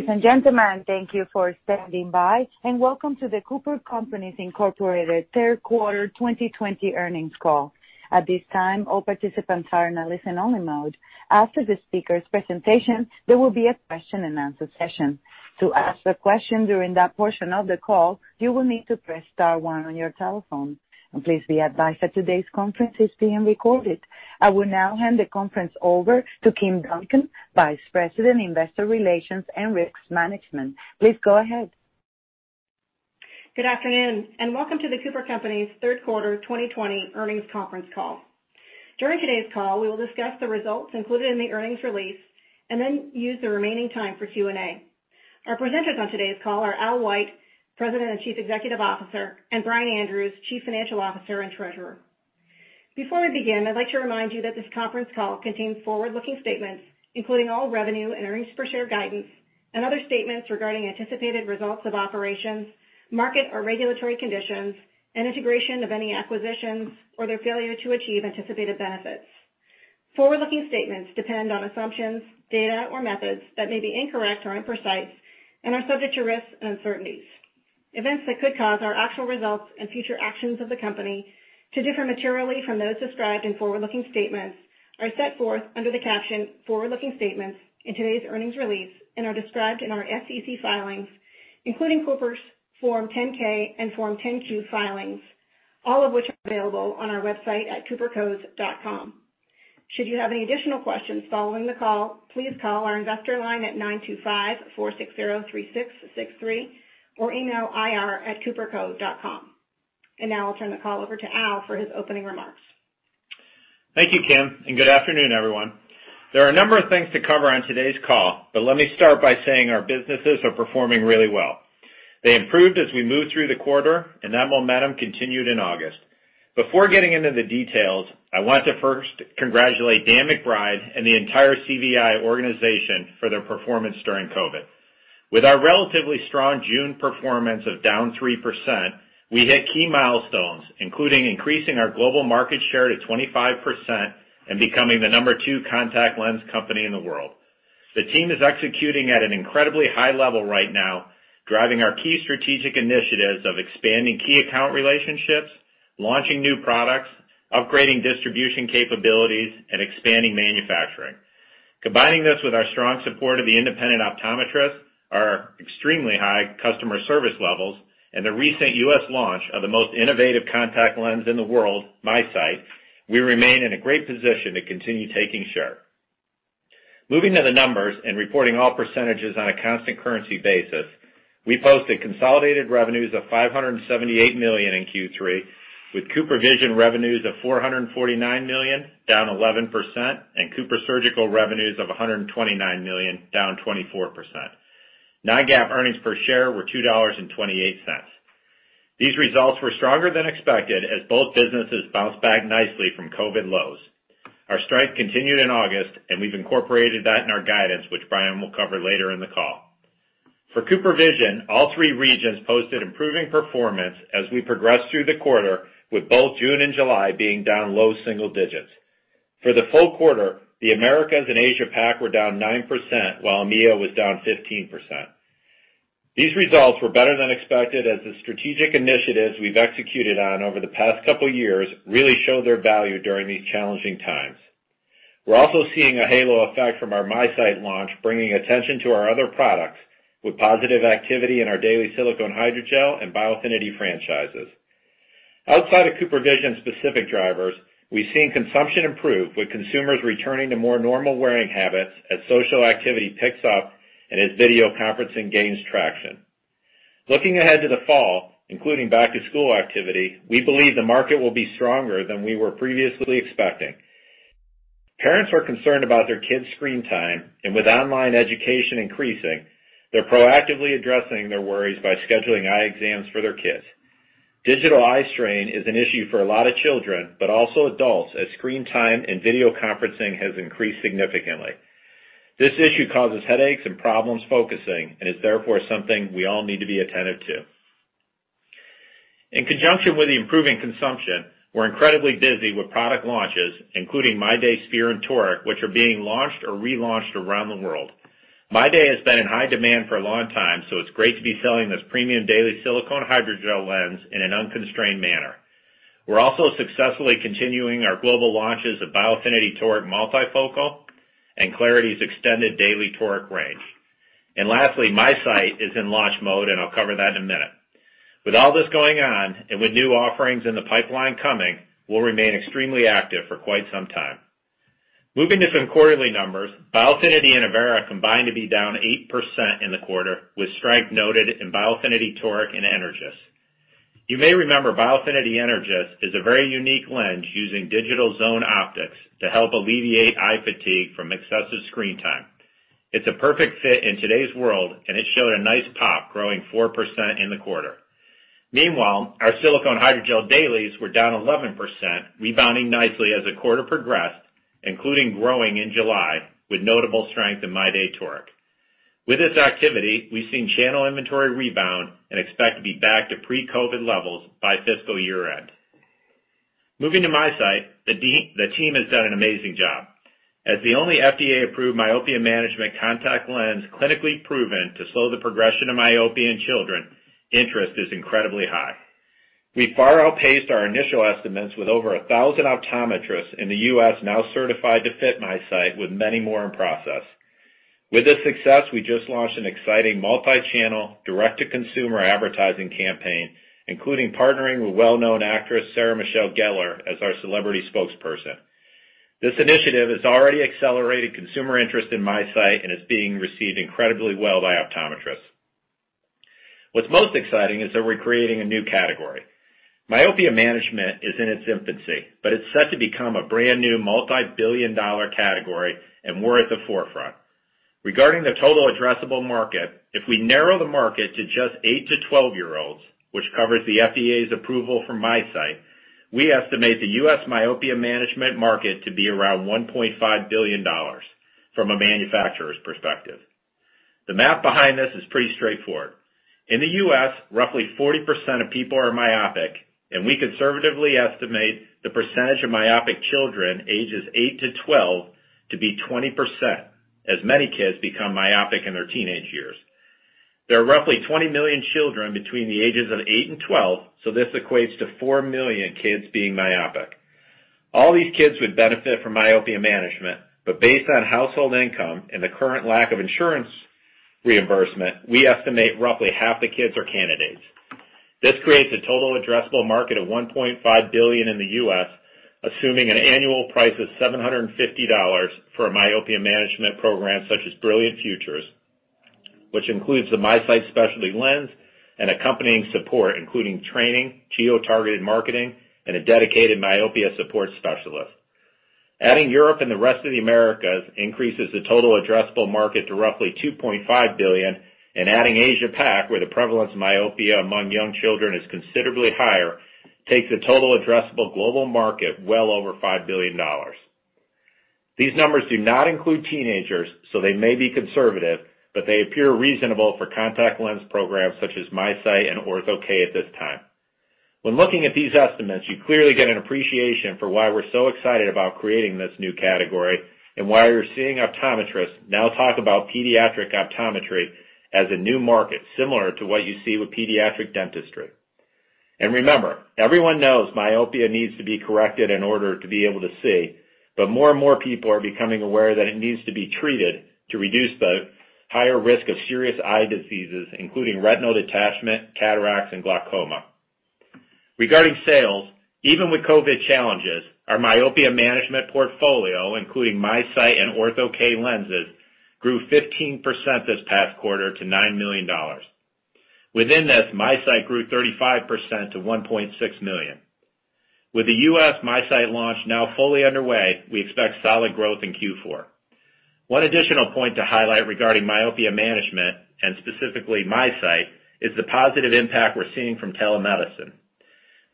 Ladies and gentlemen, thank you for standing by, and welcome to The Cooper Companies Incorporated Q3 2020 Earnings Call. At this time, all participants are in a listen-only mode. After the speakers presentation, there will be a question and answer session. To ask a question during that portion of the call, you will need to press star one on your telephone. Please be advised that today's conference is being recorded. I will now hand the conference over to Kim Duncan, Vice President, Investor Relations and Risk Management. Please go ahead. Good afternoon, and welcome to The Cooper Companies Q3 2020 Earnings Conference Call. During today's call, we will discuss the results included in the earnings release, and then use the remaining time for Q&A. Our presenters on today's call are Al White, President and Chief Executive Officer, and Brian Andrews, Chief Financial Officer and Treasurer. Before we begin, I'd like to remind you that this conference call contains forward-looking statements, including all revenue and earnings per share guidance and other statements regarding anticipated results of operations, market or regulatory conditions, and integration of any acquisitions or their failure to achieve anticipated benefits. Forward-looking statements depend on assumptions, data, or methods that may be incorrect or imprecise and are subject to risks and uncertainties. Events that could cause our actual results and future actions of the company to differ materially from those described in forward-looking statements are set forth under the caption Forward-Looking Statements in today's earnings release and are described in our SEC filings, including Cooper's Form 10-K and Form 10-Q filings, all of which are available on our website at coopercos.com. Should you have any additional questions following the call, please call our investor line at 925-460-3663, or email ir@coopercos.com. Now I'll turn the call over to Al for his opening remarks. Thank you, Kim. Good afternoon, everyone. There are a number of things to cover on today's call. Let me start by saying our businesses are performing really well. They improved as we moved through the quarter and that momentum continued in August. Before getting into the details, I want to first congratulate Dan McBride and the entire CVI organization for their performance during COVID. With our relatively strong June performance of down 3%, we hit key milestones, including increasing our global market share to 25% and becoming the number two contact lens company in the world. The team is executing at an incredibly high level right now, driving our key strategic initiatives of expanding key account relationships, launching new products, upgrading distribution capabilities, and expanding manufacturing. Combining this with our strong support of the independent optometrists, our extremely high customer service levels, and the recent U.S. launch of the most innovative contact lens in the world, MiSight, we remain in a great position to continue taking share. Moving to the numbers and reporting all percentages on a constant currency basis, we posted consolidated revenues of $578 million in Q3, with CooperVision revenues of $449 million, down 11%, and CooperSurgical revenues of $129 million, down 24%. Non-GAAP earnings per share were $2.28. These results were stronger than expected as both businesses bounced back nicely from COVID lows. Our strength continued in August, and we've incorporated that in our guidance, which Brian will cover later in the call. For CooperVision, all three regions posted improving performance as we progressed through the quarter, with both June and July being down low single digits. For the full quarter, the Americas and Asia Pac were down 9%, while EMEA was down 15%. These results were better than expected as the strategic initiatives we've executed on over the past couple years really show their value during these challenging times. We're also seeing a halo effect from our MiSight launch, bringing attention to our other products with positive activity in our daily silicone hydrogel and Biofinity franchises. Outside of CooperVision specific drivers, we've seen consumption improve with consumers returning to more normal wearing habits as social activity picks up and as video conferencing gains traction. Looking ahead to the fall, including back to school activity, we believe the market will be stronger than we were previously expecting. With online education increasing, parents are concerned about their kids' screen time, and with online education increasing, they're proactively addressing their worries by scheduling eye exams for their kids. Digital eye strain is an issue for a lot of children, but also adults, as screen time and video conferencing has increased significantly. This issue causes headaches and problems focusing and is therefore something we all need to be attentive to. In conjunction with the improving consumption, we're incredibly busy with product launches, including MyDay Sphere and toric, which are being launched or relaunched around the world. MyDay has been in high demand for a long time, so it's great to be selling this premium daily silicone hydrogel lens in an unconstrained manner. We're also successfully continuing our global launches of Biofinity toric multifocal and clariti's extended daily toric range. Lastly, MiSight is in launch mode, and I'll cover that in a minute. With all this going on, and with new offerings in the pipeline coming, we'll remain extremely active for quite some time. Moving to some quarterly numbers, Biofinity and Avaira combined to be down 8% in the quarter, with strength noted in Biofinity toric and Energys. You may remember Biofinity Energys is a very unique lens using Digital Zone Optics to help alleviate eye fatigue from excessive screen time. It's a perfect fit in today's world, and it showed a nice pop, growing 4% in the quarter. Meanwhile, our silicone hydrogel dailies were down 11%, rebounding nicely as the quarter progressed, including growing in July with notable strength in MyDay toric. With this activity, we've seen channel inventory rebound and expect to be back to pre-COVID levels by fiscal year-end. Moving to MiSight, the team has done an amazing job. As the only FDA-approved myopia management contact lens clinically proven to slow the progression of myopia in children, interest is incredibly high. We far outpaced our initial estimates with over 1,000 optometrists in the U.S. now certified to fit MiSight, with many more in process. With this success, we just launched an exciting multi-channel direct-to-consumer advertising campaign, including partnering with well-known actress Sarah Michelle Gellar as our celebrity spokesperson. This initiative has already accelerated consumer interest in MiSight and is being received incredibly well by optometrists. What's most exciting is that we're creating a new category. Myopia management is in its infancy, but it's set to become a brand-new multi-billion-dollar category, and we're at the forefront. Regarding the total addressable market, if we narrow the market to just 8-12-year-olds, which covers the FDA's approval for MiSight, we estimate the U.S. myopia management market to be around $1.5 billion from a manufacturer's perspective. The math behind this is pretty straightforward. In the U.S., roughly 40% of people are myopic. We conservatively estimate the percentage of myopic children ages 8-12 to be 20%, as many kids become myopic in their teenage years. There are roughly 20 million children between the ages of eight and 12. This equates to four million kids being myopic. All these kids would benefit from myopia management. Based on household income and the current lack of insurance reimbursement, we estimate roughly half the kids are candidates. This creates a total addressable market of $1.5 billion in the U.S., assuming an annual price of $750 for a myopia management program such as Brilliant Futures, which includes the MiSight specialty lens and accompanying support, including training, geo-targeted marketing, and a dedicated myopia support specialist. Adding Europe and the rest of the Americas increases the total addressable market to roughly $2.5 billion, and adding Asia Pac, where the prevalence of myopia among young children is considerably higher, takes the total addressable global market well over $5 billion. These numbers do not include teenagers, so they may be conservative, but they appear reasonable for contact lens programs such as MiSight and Ortho-K at this time. When looking at these estimates, you clearly get an appreciation for why we're so excited about creating this new category and why you're seeing optometrists now talk about pediatric optometry as a new market, similar to what you see with pediatric dentistry. Remember, everyone knows myopia needs to be corrected in order to be able to see. More and more people are becoming aware that it needs to be treated to reduce the higher risk of serious eye diseases, including retinal detachment, cataracts, and glaucoma. Regarding sales, even with COVID challenges, our myopia management portfolio, including MiSight and Ortho-K lenses, grew 15% this past quarter to $9 million. Within this, MiSight grew 35% to $1.6 million. With the U.S. MiSight launch now fully underway, we expect solid growth in Q4. One additional point to highlight regarding myopia management, and specifically MiSight, is the positive impact we're seeing from telemedicine.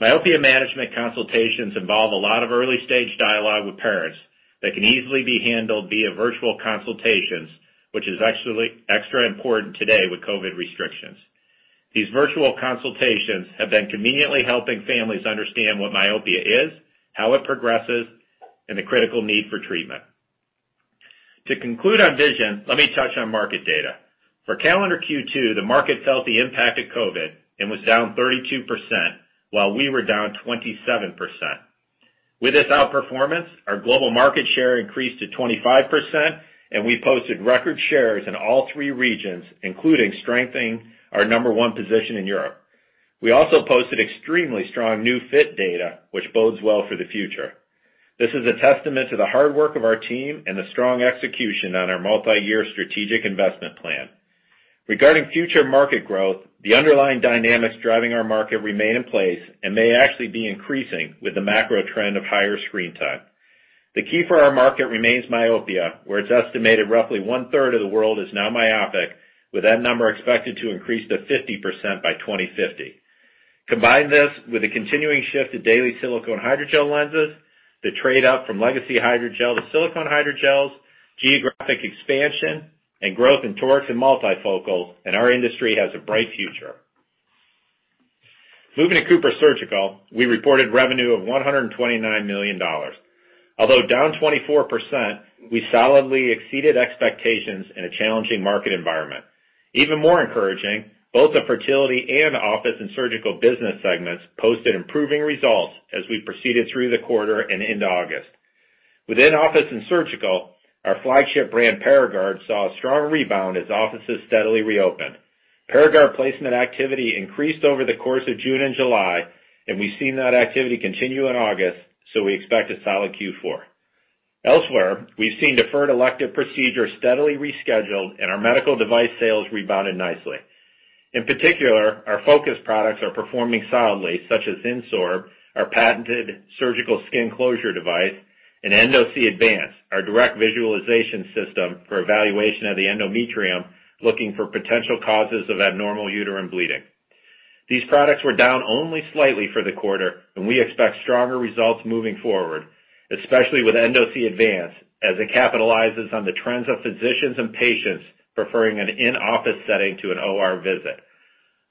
Myopia management consultations involve a lot of early-stage dialogue with parents that can easily be handled via virtual consultations, which is extra important today with COVID restrictions. These virtual consultations have been conveniently helping families understand what myopia is, how it progresses, and the critical need for treatment. To conclude on vision, let me touch on market data. For calendar Q2, the market felt the impact of COVID and was down 32%, while we were down 27%. With this outperformance, our global market share increased to 25%, and we posted record shares in all three regions, including strengthening our number one position in Europe. We also posted extremely strong new fit data, which bodes well for the future. This is a testament to the hard work of our team and the strong execution on our multi-year strategic investment plan. Regarding future market growth, the underlying dynamics driving our market remain in place and may actually be increasing with the macro trend of higher screen time. The key for our market remains myopia, where it's estimated roughly one-third of the world is now myopic, with that number expected to increase to 50% by 2050. Combine this with the continuing shift to daily silicone hydrogel lenses, the trade out from legacy hydrogel to silicone hydrogels, geographic expansion, and growth in torics and multifocals, our industry has a bright future. Moving to CooperSurgical, we reported revenue of $129 million. Although down 24%, we solidly exceeded expectations in a challenging market environment. Even more encouraging, both the fertility and office and surgical business segments posted improving results as we proceeded through the quarter and into August. Within office and surgical, our flagship brand, Paragard saw a strong rebound as offices steadily reopened. Paragard placement activity increased over the course of June and July, we've seen that activity continue in August, we expect a solid Q4. Elsewhere, we've seen deferred elective procedures steadily rescheduled, our medical device sales rebounded nicely. In particular, our focus products are performing solidly, such as INSORB, our patented surgical skin closure device, and Endosee Advance, our direct visualization system for evaluation of the endometrium looking for potential causes of abnormal uterine bleeding. These products were down only slightly for the quarter, and we expect stronger results moving forward, especially with Endosee Advance as it capitalizes on the trends of physicians and patients preferring an in-office setting to an OR visit.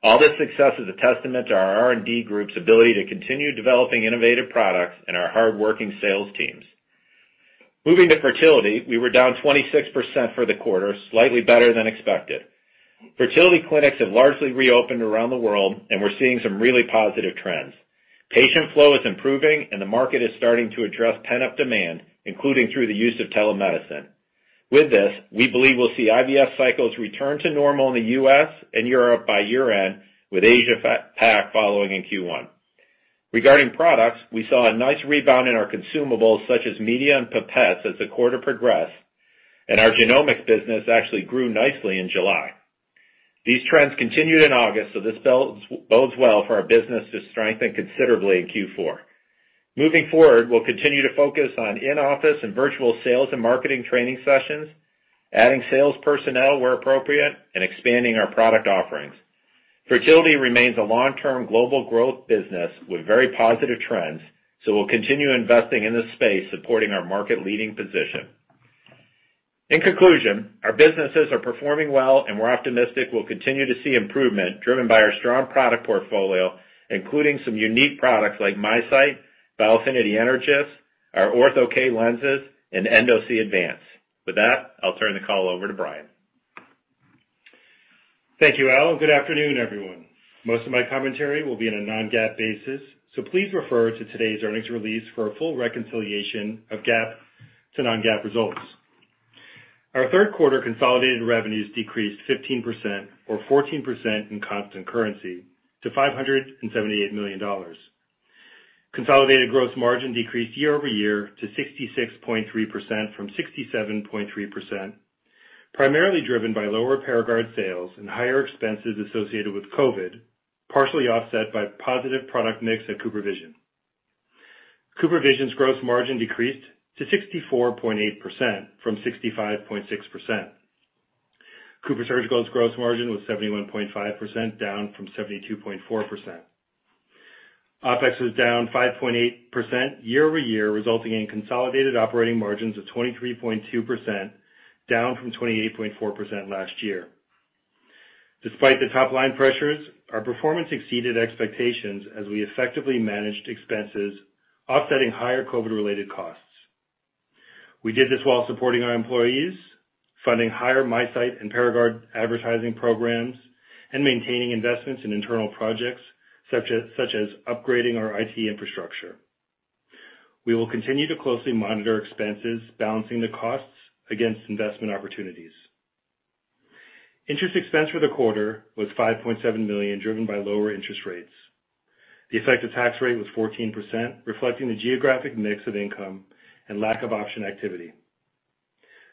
All this success is a testament to our R&D group's ability to continue developing innovative products and our hardworking sales teams. Moving to fertility, we were down 26% for the quarter, slightly better than expected. Fertility clinics have largely reopened around the world, and we're seeing some really positive trends. Patient flow is improving, and the market is starting to address pent-up demand, including through the use of telemedicine. With this, we believe we'll see IVF cycles return to normal in the U.S. and Europe by year-end, with Asia-Pac following in Q1. Regarding products, we saw a nice rebound in our consumables such as media and pipettes as the quarter progressed, and our genomics business actually grew nicely in July. These trends continued in August, so this bodes well for our business to strengthen considerably in Q4. Moving forward, we'll continue to focus on in-office and virtual sales and marketing training sessions, adding sales personnel where appropriate, and expanding our product offerings. Fertility remains a long-term global growth business with very positive trends, so we'll continue investing in this space, supporting our market-leading position. In conclusion, our businesses are performing well, and we're optimistic we'll continue to see improvement driven by our strong product portfolio, including some unique products like MiSight, Biofinity Energys, our Ortho-K lenses, and Endosee Advance. With that, I'll turn the call over to Brian. Thank you, Al. Good afternoon, everyone. Most of my commentary will be on a non-GAAP basis. Please refer to today's earnings release for a full reconciliation of GAAP to non-GAAP results. Our Q3 consolidated revenues decreased 15%, or 14% in constant currency, to $578 million. Consolidated gross margin decreased year-over-year to 66.3% from 67.3%, primarily driven by lower Paragard sales and higher expenses associated with COVID, partially offset by positive product mix at CooperVision. CooperVision's gross margin decreased to 64.8% from 65.6%. CooperSurgical's gross margin was 71.5%, down from 72.4%. OpEx was down 5.8% year-over-year, resulting in consolidated operating margins of 23.2%, down from 28.4% last year. Despite the top-line pressures, our performance exceeded expectations as we effectively managed expenses, offsetting higher COVID-related costs. We did this while supporting our employees, funding higher MiSight and Paragard advertising programs, and maintaining investments in internal projects, such as upgrading our IT infrastructure. We will continue to closely monitor expenses, balancing the costs against investment opportunities. Interest expense for the quarter was $5.7 million, driven by lower interest rates. The effective tax rate was 14%, reflecting the geographic mix of income and lack of option activity.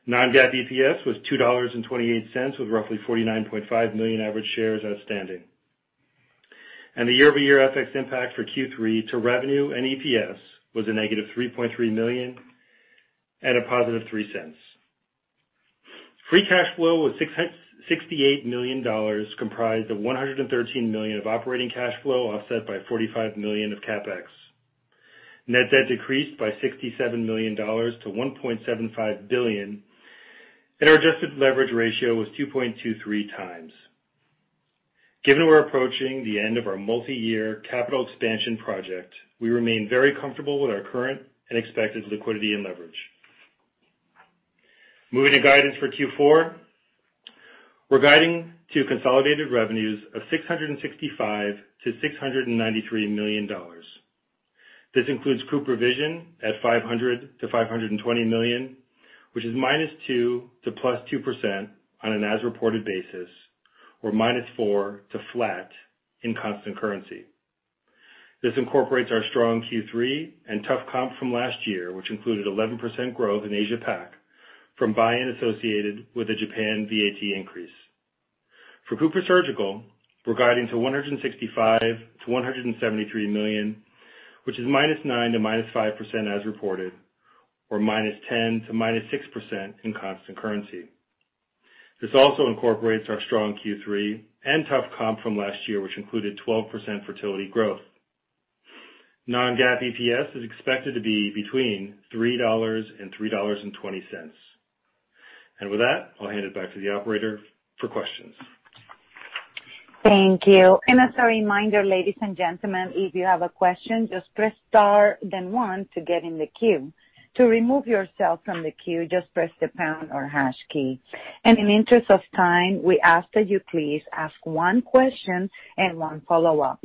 Non-GAAP EPS was $2.28, with roughly 49.5 million average shares outstanding. The year-over-year FX impact for Q3 to revenue and EPS was a -$3.3 million and a +$0.03. Free cash flow was $68 million, comprised of $113 million of operating cash flow offset by $45 million of CapEx. Net debt decreased by $67 million to $1.75 billion, and our adjusted leverage ratio was 2.23x. Given we're approaching the end of our multi-year capital expansion project, we remain very comfortable with our current and expected liquidity and leverage. Moving to guidance for Q4. We're guiding to consolidated revenues of $665 million-$693 million. This includes CooperVision at $500 million-$520 million, which is -2% to +2% on an as-reported basis, or -4% to flat in constant currency. This incorporates our strong Q3 and tough comp from last year, which included 11% growth in Asia-Pac from buy-in associated with a Japan VAT increase. For CooperSurgical, we're guiding to $165 million-$173 million, which is -9% to -5% as reported, or -10% to -6% in constant currency. This also incorporates our strong Q3 and tough comp from last year, which included 12% fertility growth. Non-GAAP EPS is expected to be between $3 and $3.20. With that, I'll hand it back to the operator for questions. Thank you. As a reminder, ladies and gentlemen, if you have a question, just press star, then one to get in the queue. To remove yourself from the queue, just press the pound or hash key. In the interest of time, we ask that you please ask one question and one follow-up.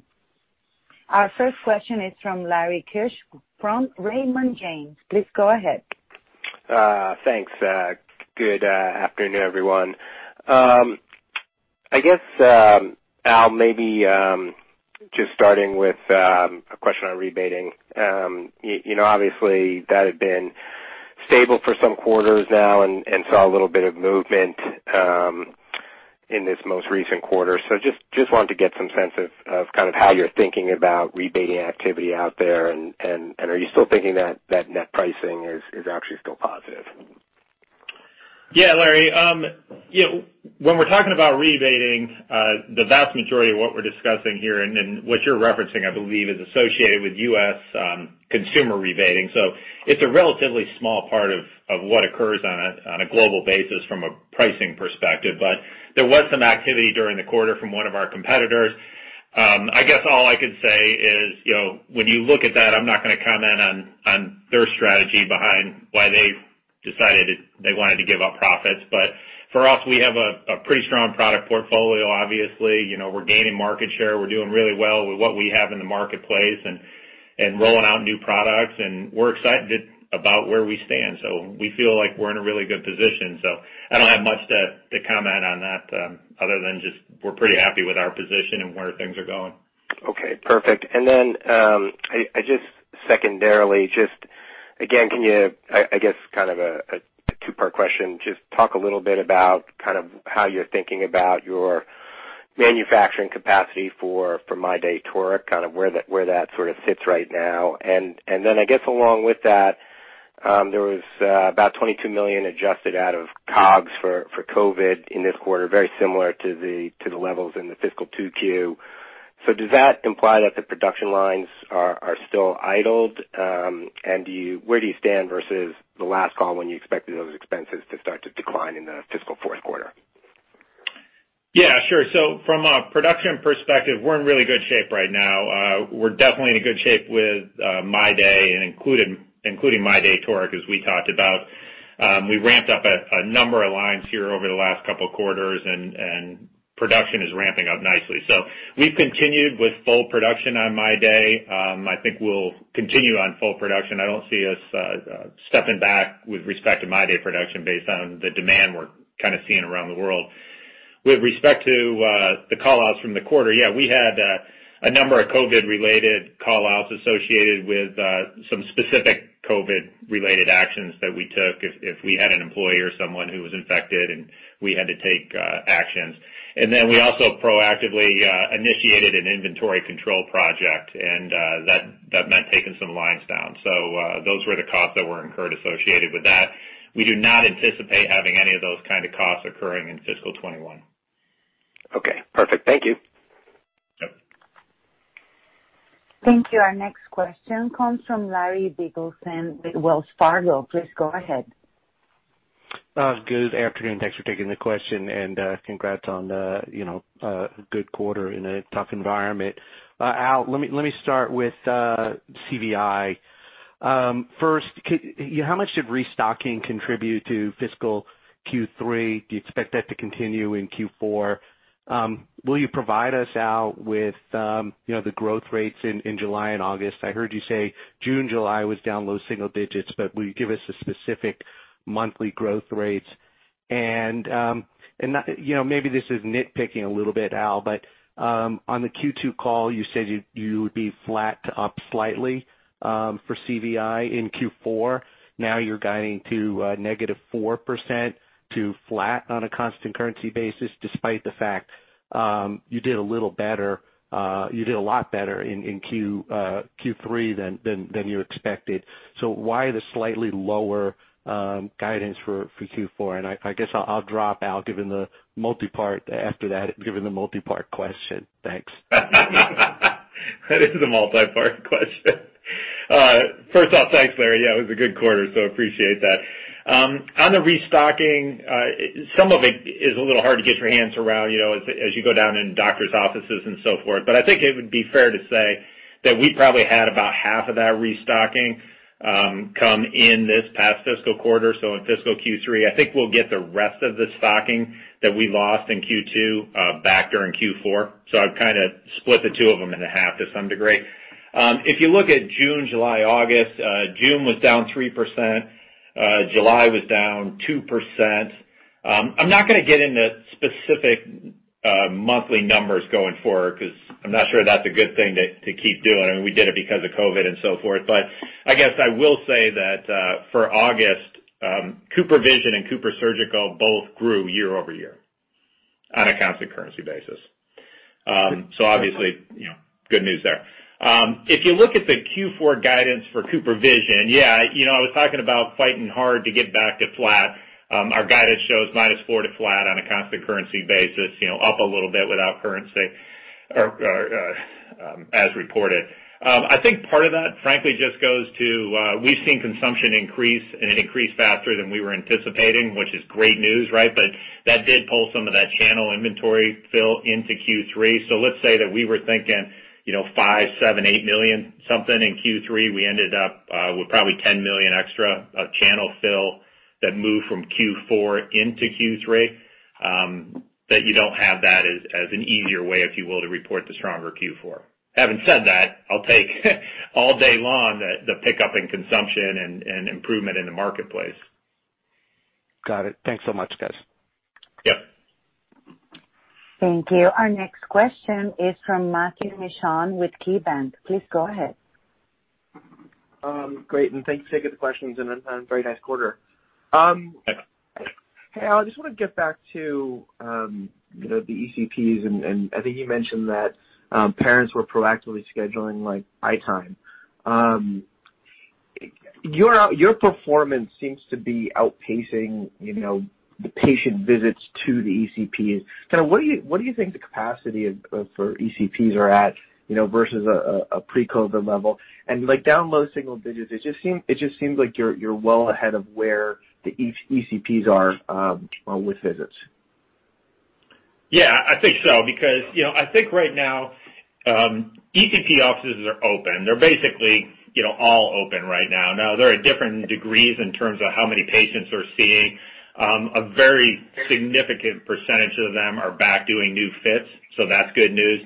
Our first question is from Larry Keusch from Raymond James. Please go ahead. Thanks. Good afternoon, everyone. I guess, Al, maybe just starting with a question on rebating. Obviously that had been stable for some quarters now and saw a little bit of movement in this most recent quarter. Just wanted to get some sense of kind of how you're thinking about rebating activity out there, and are you still thinking that net pricing is actually still positive? Larry, when we're talking about rebating, the vast majority of what we're discussing here and what you're referencing, I believe, is associated with U.S. consumer rebating. It's a relatively small part of what occurs on a global basis from a pricing perspective. There was some activity during the quarter from one of our competitors. I guess all I can say is, when you look at that, I'm not going to comment on their strategy behind why they decided they wanted to give up profits. For us, we have a pretty strong product portfolio, obviously. We're gaining market share. We're doing really well with what we have in the marketplace and rolling out new products, we're excited about where we stand. We feel like we're in a really good position. I don't have much to comment on that other than just we're pretty happy with our position and where things are going. Okay, perfect. Secondarily, just again, I guess kind of a two-part question. Just talk a little bit about how you're thinking about your manufacturing capacity for MyDay toric, kind of where that sort of sits right now. I guess along with that, there was about $22 million adjusted out of COGS for COVID in this quarter, very similar to the levels in the fiscal Q2. Does that imply that the production lines are still idled? Where do you stand versus the last call when you expected those expenses to start to decline in the fiscal Q4? Yeah, sure. From a production perspective, we're in really good shape right now. We're definitely in a good shape with MyDay and including MyDay toric, as we talked about. We ramped up a number of lines here over the last couple of quarters, and production is ramping up nicely. We've continued with full production on MyDay. I think we'll continue on full production. I don't see us stepping back with respect to MyDay production based on the demand we're kind of seeing around the world. With respect to the call-outs from the quarter, yeah, we had a number of COVID-related call-outs associated with some specific COVID-related actions that we took if we had an employee or someone who was infected, and we had to take actions. We also proactively initiated an inventory control project, and that meant taking some lines down. Those were the costs that were incurred associated with that. We do not anticipate having any of those kind of costs occurring in fiscal 2021. Okay, perfect. Thank you. Yep. Thank you. Our next question comes from Larry Biegelsen with Wells Fargo. Please go ahead. Good afternoon. Thanks for taking the question and congrats on a good quarter in a tough environment. Al, let me start with CVI. First, how much did restocking contribute to fiscal Q3? Do you expect that to continue in Q4? Will you provide us, Al, with the growth rates in July and August? I heard you say June, July was down low single digits, but will you give us the specific monthly growth rates? Maybe this is nitpicking a little bit, Al, but on the Q2 call, you said you would be flat to up slightly for CVI in Q4. Now you're guiding to -4% to flat on a constant currency basis, despite the fact you did a lot better in Q3 than you expected. Why the slightly lower guidance for Q4? I guess I'll drop out given the multi-part after that, given the multi-part question. Thanks. That is a multi-part question. First off, thanks, Larry. Yeah, it was a good quarter, so appreciate that. On the restocking, some of it is a little hard to get your hands around as you go down in doctor's offices and so forth. I think it would be fair to say that we probably had about half of that restocking come in this past fiscal quarter, so in fiscal Q3. I think we'll get the rest of the stocking that we lost in Q2 back during Q4. I've kind of split the two of them in half to some degree. If you look at June, July, August, June was down 3%, July was down 2%. I'm not going to get into specific monthly numbers going forward because I'm not sure that's a good thing to keep doing. We did it because of COVID and so forth. I guess I will say that for August, CooperVision and CooperSurgical both grew year-over-year on a constant currency basis. Obviously, good news there. If you look at the Q4 guidance for CooperVision, yeah, I was talking about fighting hard to get back to flat. Our guidance shows -4% to flat on a constant currency basis, up a little bit without currency or as reported. I think part of that, frankly, just goes to we've seen consumption increase and it increased faster than we were anticipating, which is great news, right? That did pull some of that channel inventory fill into Q3. Let's say that we were thinking $5 million, $7 million, $8 million something in Q3. We ended up with probably $10 million extra of channel fill that moved from Q4 into Q3, that you don't have that as an easier way, if you will, to report the stronger Q4. Having said that, I'll take all day long the pickup in consumption and improvement in the marketplace. Got it. Thanks so much, guys. Yep. Thank you. Our next question is from Matthew Mishan with KeyBanc. Please go ahead. Great, thanks for taking the questions, and a very nice quarter. Thanks. Hey, Al, I just want to get back to the ECPs, and I think you mentioned that parents were proactively scheduling eye time. Your performance seems to be outpacing the patient visits to the ECPs. What do you think the capacity for ECPs are at versus a pre-COVID level? Down low single digits, it just seems like you're well ahead of where the ECPs are with visits. I think so, because I think right now ECP offices are open. They're basically all open right now. There are different degrees in terms of how many patients they're seeing. A very significant percentage of them are back doing new fits, so that's good news.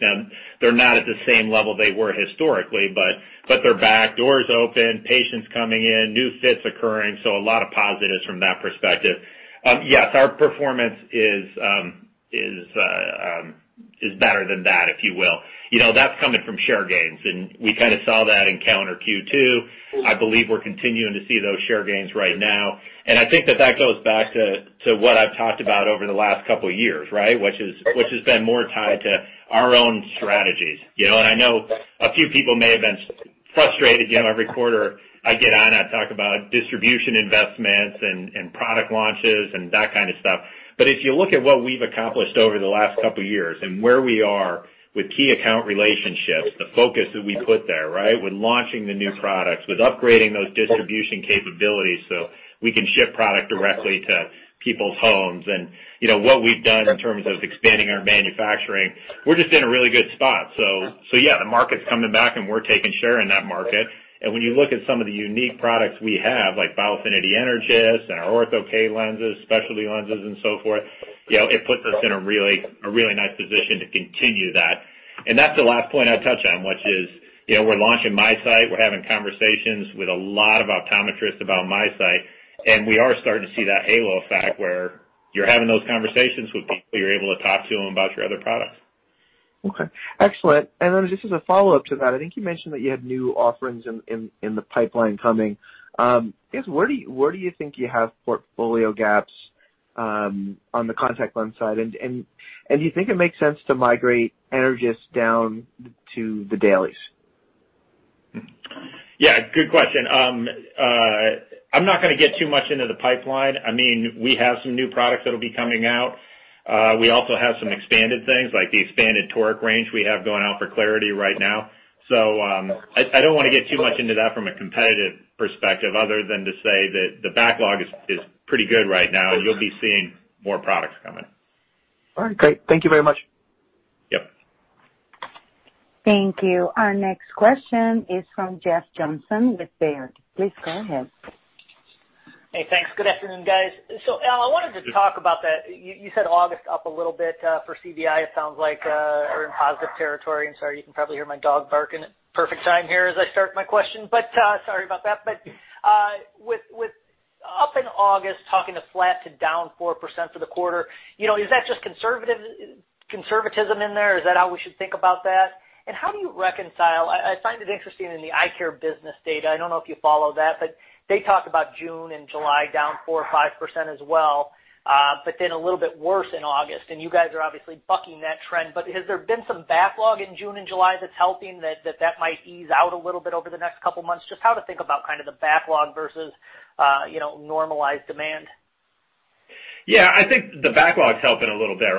They're not at the same level they were historically, but they're back, doors open, patients coming in, new fits occurring. A lot of positives from that perspective. Our performance is better than that, if you will. That's coming from share gains, and we kind of saw that in calendar Q2. I believe we're continuing to see those share gains right now, and I think that that goes back to what I've talked about over the last couple of years, which has been more tied to our own strategies. I know a few people may have been frustrated. Every quarter I get on, I talk about distribution investments and product launches and that kind of stuff. If you look at what we've accomplished over the last couple of years and where we are with key account relationships, the focus that we put there. With launching the new products, with upgrading those distribution capabilities so we can ship product directly to people's homes, and what we've done in terms of expanding our manufacturing. We're just in a really good spot. Yeah, the market's coming back, and we're taking share in that market. When you look at some of the unique products we have, like Biofinity Energys and our Ortho-K lenses, specialty lenses, and so forth, it puts us in a really nice position to continue that. That's the last point I'd touch on, which is we're launching MiSight. We're having conversations with a lot of optometrists about MiSight, we are starting to see that halo effect where you're having those conversations with people. You're able to talk to them about your other products. Okay. Excellent. Then just as a follow-up to that, I think you mentioned that you had new offerings in the pipeline coming. I guess, where do you think you have portfolio gaps on the contact lens side? Do you think it makes sense to migrate Energys down to the dailies? Yeah, good question. I'm not going to get too much into the pipeline. We have some new products that'll be coming out. We also have some expanded things, like the expanded toric range we have going out for clariti right now. I don't want to get too much into that from a competitive perspective other than to say that the backlog is pretty good right now, and you'll be seeing more products coming. All right, great. Thank you very much. Yep. Thank you. Our next question is from Jeff Johnson with Baird. Please go ahead. Hey, thanks. Good afternoon, guys. Al, I wanted to talk about that, you said August up a little bit for CVI, it sounds like we're in positive territory. I'm sorry, you can probably hear my dog barking. Perfect time here as I start my question, sorry about that. With up in August talking to flat to down 4% for the quarter, is that just conservatism in there? Is that how we should think about that? How do you reconcile, I find it interesting in the Eyecare Business data, I don't know if you follow that, but they talk about June and July down 4% or 5% as well. A little bit worse in August, and you guys are obviously bucking that trend, but has there been some backlog in June and July that's helping that might ease out a little bit over the next couple of months? Just how to think about kind of the backlog versus normalized demand? Yeah, I think the backlog's helping a little bit.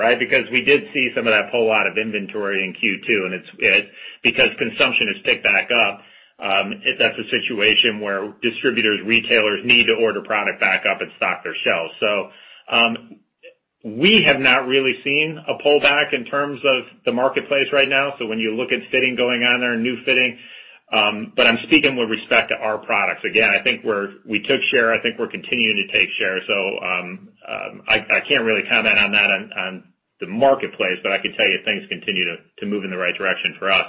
We did see some of that pull out of inventory in Q2, and it's because consumption has picked back up. That's a situation where distributors, retailers need to order product back up and stock their shelves. We have not really seen a pullback in terms of the marketplace right now. When you look at fitting going on there, new fitting, but I'm speaking with respect to our products. Again, I think we took share. I think we're continuing to take share. I can't really comment on that on the marketplace, but I can tell you things continue to move in the right direction for us.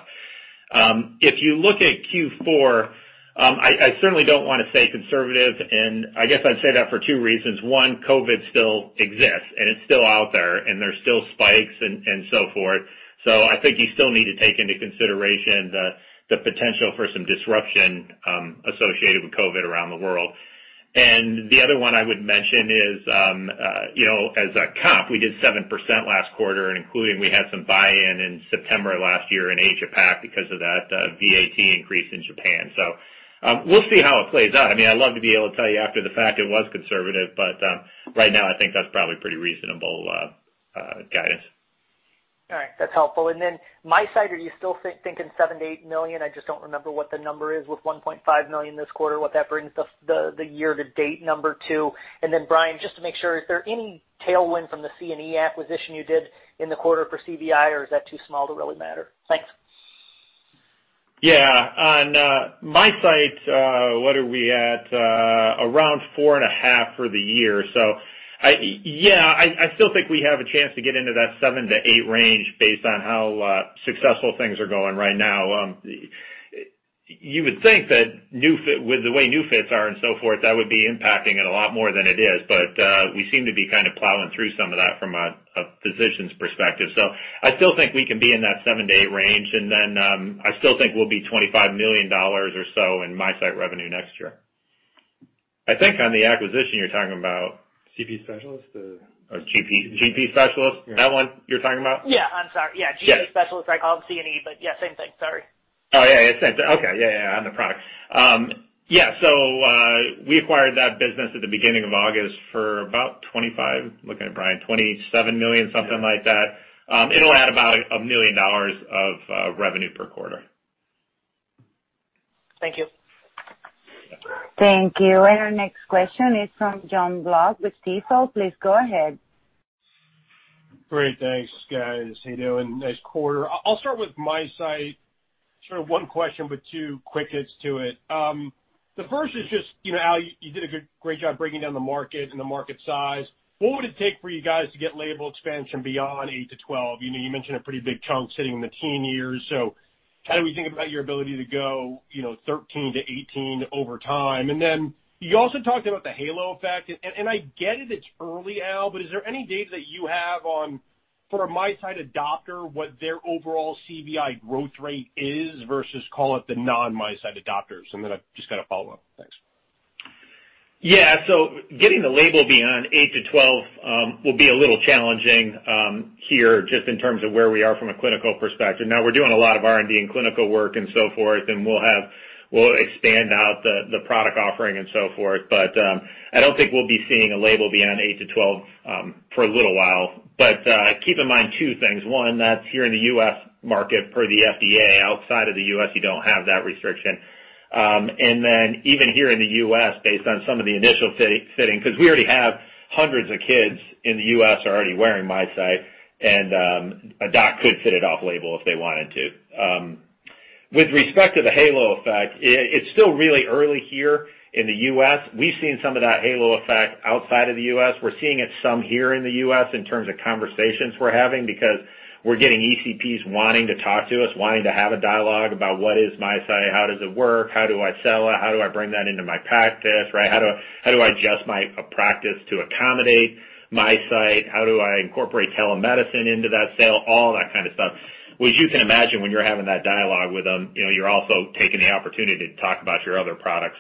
If you look at Q4, I certainly don't want to say conservative, and I guess I'd say that for two reasons. COVID still exists, and it's still out there, and there's still spikes and so forth. I think you still need to take into consideration the potential for some disruption associated with COVID around the world. The other one I would mention is, as a comp, we did 7% last quarter, and including we had some buy-in in September last year in Asia-Pac because of that VAT increase in Japan. We'll see how it plays out. I'd love to be able to tell you after the fact it was conservative, but right now I think that's probably pretty reasonable guidance. All right, that's helpful. MiSight, are you still thinking $7 and $8 million? I just don't remember what the number is with $1.5 million this quarter, what that brings the year-to-date number to. Brian, just to make sure, is there any tailwind from the C&E acquisition you did in the quarter for CVI, or is that too small to really matter? Thanks. Yeah. On MiSight, what are we at? Around four and a half for the year. Yeah, I still think we have a chance to get into that seven to eight range based on how successful things are going right now. You would think that with the way new fits are and so forth, that would be impacting it a lot more than it is, we seem to be kind of plowing through some of that from a physician's perspective. I still think we can be in that seven to eight range, I still think we'll be $25 million or so in MiSight revenue next year. I think on the acquisition you're talking about. GP Specialists? Oh, GP Specialists? Yeah. That one you're talking about? Yeah. I'm sorry. Yeah. Yeah. GP Specialists. I called C&E, but yeah, same thing, sorry. Oh, yeah. Yeah, on the product. We acquired that business at the beginning of August for about $25, looking at Brian, $27 million, something like that. It'll add about $1 million of revenue per quarter. Thank you. Thank you. Our next question is from Jon Block with Stifel. Please go ahead. Great. Thanks, guys. How you doing? Nice quarter. I'll start with MiSight. Sort of one question but two quick hits to it. The first is just, Al, you did a great job breaking down the market and the market size. What would it take for you guys to get label expansion beyond 8-12? You mentioned a pretty big chunk sitting in the teen years. How do we think about your ability to go 13 to 18 over time? You also talked about the halo effect, and I get it's early, Al, but is there any data that you have on, for a MiSight adopter, what their overall CVI growth rate is versus, call it, the non-MiSight adopters? I've just got a follow-up. Thanks. Getting the label beyond 8-12 will be a little challenging here just in terms of where we are from a clinical perspective. Now we're doing a lot of R&D and clinical work and so forth, and we'll expand out the product offering and so forth. I don't think we'll be seeing a label beyond 8-12 for a little while. Keep in mind two things. One, that's here in the U.S. market per the FDA. Outside of the U.S., you don't have that restriction. Even here in the U.S., based on some of the initial fitting, because we already have hundreds of kids in the U.S. already wearing MiSight, and a doc could fit it off label if they wanted to. With respect to the halo effect, it's still really early here in the U.S. We've seen some of that halo effect outside of the U.S. We're seeing it some here in the U.S. in terms of conversations we're having because we're getting ECPs wanting to talk to us, wanting to have a dialogue about what is MiSight, how does it work, how do I sell it, how do I bring that into my practice, right? How do I adjust my practice to accommodate MiSight? How do I incorporate telemedicine into that sale? All that kind of stuff. You can imagine when you're having that dialogue with them, you're also taking the opportunity to talk about your other products.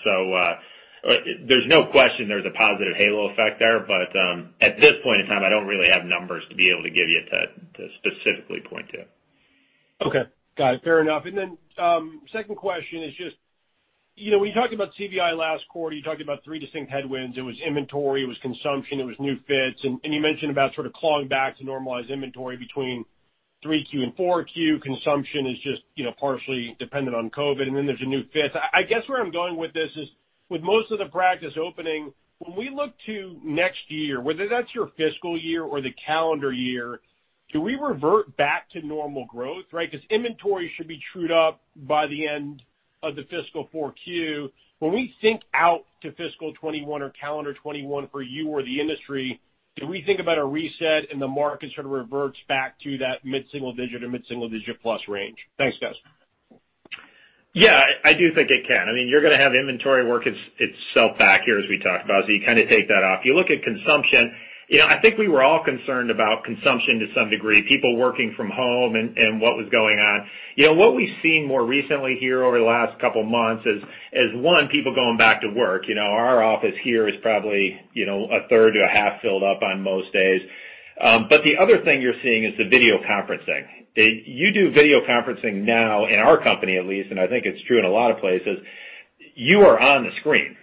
There's no question there's a positive halo effect there. At this point in time, I don't really have numbers to be able to give you to specifically point to. Okay, got it. Fair enough. Second question is just, when you talked about CVI last quarter, you talked about three distinct headwinds. It was inventory, it was consumption, it was new fits, and you mentioned about sort of clawing back to normalized inventory between Q3 and Q4. Consumption is just partially dependent on COVID. There's a new fit. I guess where I'm going with this is, with most of the practice opening, when we look to next year, whether that's your fiscal year or the calendar year, do we revert back to normal growth, right? Inventory should be trued up by the end of the fiscal Q4. When we think out to fiscal 2021 or calendar 2021 for you or the industry, do we think about a reset and the market sort of reverts back to that mid-single digit or mid-single digit plus range? Thanks, guys. Yeah, I do think it can. You're going to have inventory work itself back here, as we talked about. You kind of take that off. You look at consumption. I think we were all concerned about consumption to some degree, people working from home and what was going on. What we've seen more recently here over the last couple of months is, one, people going back to work. Our office here is probably a third to a half filled up on most days. The other thing you're seeing is the video conferencing. You do video conferencing now in our company at least, and I think it's true in a lot of places, you are on the screen.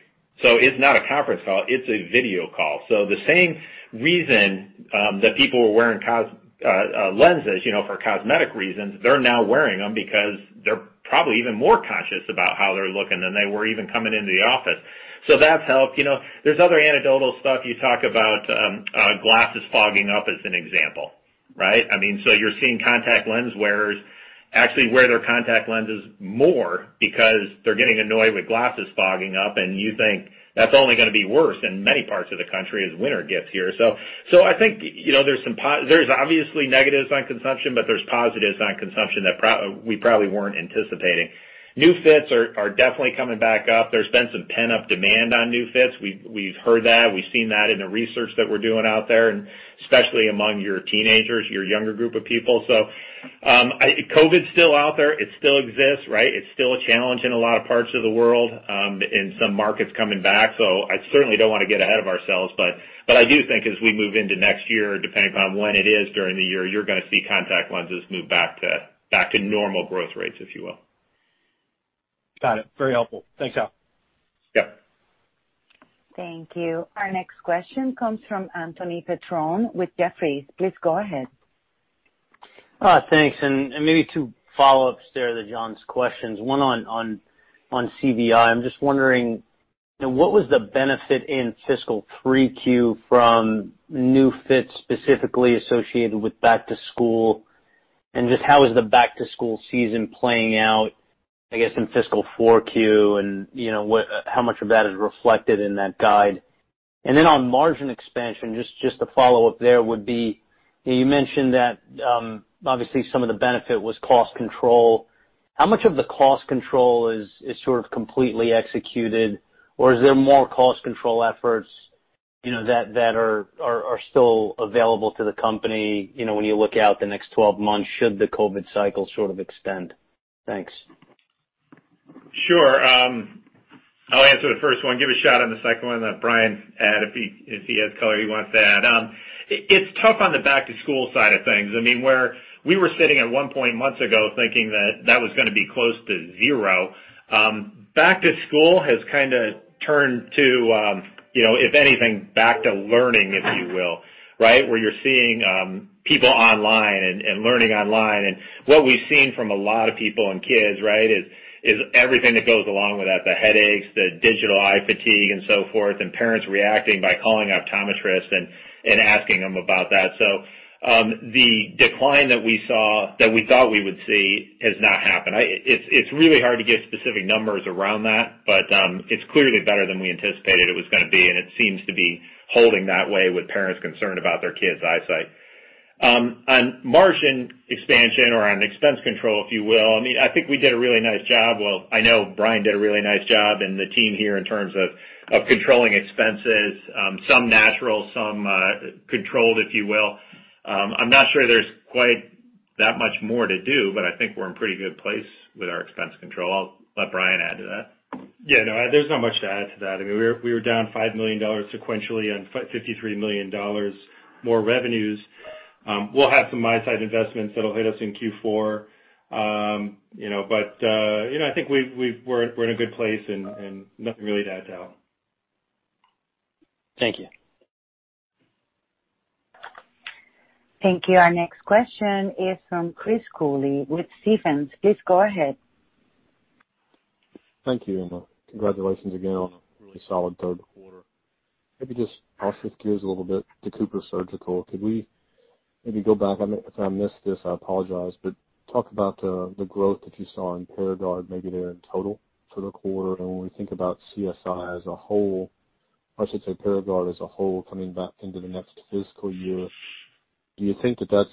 It's not a conference call, it's a video call. The same reason that people were wearing lenses for cosmetic reasons, they're now wearing them because they're probably even more conscious about how they're looking than they were even coming into the office. That's helped. There's other anecdotal stuff. You talk about glasses fogging up as an example, right? You're seeing contact lens wearers actually wear their contact lenses more because they're getting annoyed with glasses fogging up, and you think that's only going to be worse in many parts of the country as winter gets here. I think there's obviously negatives on consumption, but there's positives on consumption that we probably weren't anticipating. New fits are definitely coming back up. There's been some pent-up demand on new fits. We've heard that. We've seen that in the research that we're doing out there, and especially among your teenagers, your younger group of people. COVID's still out there. It still exists, right? It's still a challenge in a lot of parts of the world, and some markets coming back. I certainly don't want to get ahead of ourselves, but I do think as we move into next year, depending upon when it is during the year, you're going to see contact lenses move back to normal growth rates, if you will. Got it. Very helpful. Thanks, Al. Yep. Thank you. Our next question comes from Anthony Petrone with Jefferies. Please go ahead. Thanks. Maybe two follow-ups there to Jon's questions. One on CVI. I'm just wondering, what was the benefit in fiscal Q3 from new fits specifically associated with back to school? Just how is the back to school season playing out, I guess, in fiscal Q4, and how much of that is reflected in that guide? Then on margin expansion, just a follow-up there would be, you mentioned that obviously some of the benefit was cost control. How much of the cost control is sort of completely executed? Or is there more cost control efforts that are still available to the company when you look out the next 12 months should the COVID cycle sort of extend? Thanks. Sure. I'll answer the first one, give a shot on the second one. Let Brian add if he has color he wants to add. It's tough on the back to school side of things. We were sitting at one point months ago thinking that that was going to be close to zero, back to school has kind of turned to, if anything, back to learning, if you will. You're seeing people online and learning online. What we've seen from a lot of people and kids, right, is everything that goes along with that, the headaches, the digital eye fatigue, and so forth, and parents reacting by calling optometrists and asking them about that. The decline that we saw, that we thought we would see, has not happened. It's really hard to get specific numbers around that, but it's clearly better than we anticipated it was going to be, and it seems to be holding that way with parents concerned about their kids' eyesight. On margin expansion or on expense control, if you will, I think we did a really nice job. Well, I know Brian did a really nice job and the team here in terms of controlling expenses. Some natural, some controlled, if you will. I'm not sure there's quite that much more to do, but I think we're in pretty good place with our expense control. I'll let Brian add to that. Yeah, no, there's not much to add to that. We were down $5 million sequentially on $53 million more revenues. We'll have some MiSight investments that'll hit us in Q4. I think we're in a good place and nothing really to add to that. Thank you. Thank you. Our next question is from Chris Cooley with Stephens. Please go ahead. Thank you, congratulations again on a really solid Q3. Maybe just I'll shift gears a little bit to CooperSurgical. Could we maybe go back, if I missed this, I apologize, but talk about the growth that you saw in Paragard, maybe there in total for the quarter. When we think about CSI as a whole, or I should say Paragard as a whole, coming back into the next fiscal year, do you think that that's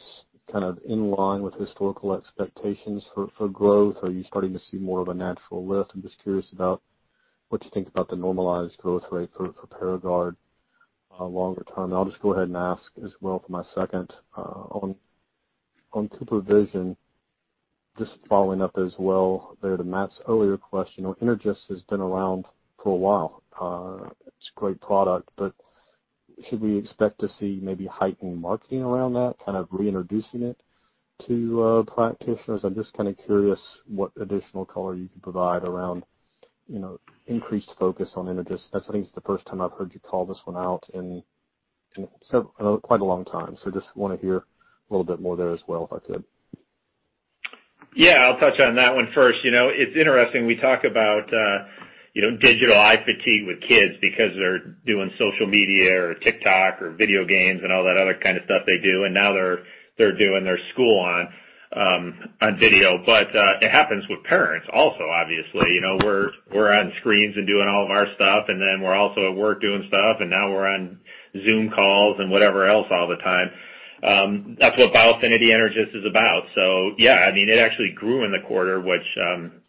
kind of in line with historical expectations for growth, or are you starting to see more of a natural lift? I'm just curious about what you think about the normalized growth rate for Paragard longer term. I'll just go ahead and ask as well for my second. On CooperVision, just following up as well there to Matt's earlier question on Energys has been around for a while. It's a great product, should we expect to see maybe heightened marketing around that, kind of reintroducing it to practitioners? I'm just kind of curious what additional color you can provide around increased focus on Energys. I think it's the first time I've heard you call this one out in quite a long time. Just want to hear a little bit more there as well, if I could. Yeah. I'll touch on that one first. It's interesting, we talk about digital eye fatigue with kids because they're doing social media or TikTok or video games and all that other kind of stuff they do, and now they're doing their school on video. It happens with parents also, obviously. We're on screens and doing all of our stuff, and then we're also at work doing stuff, and now we're on Zoom calls and whatever else all the time. That's what Biofinity Energys is about. It actually grew in the quarter, which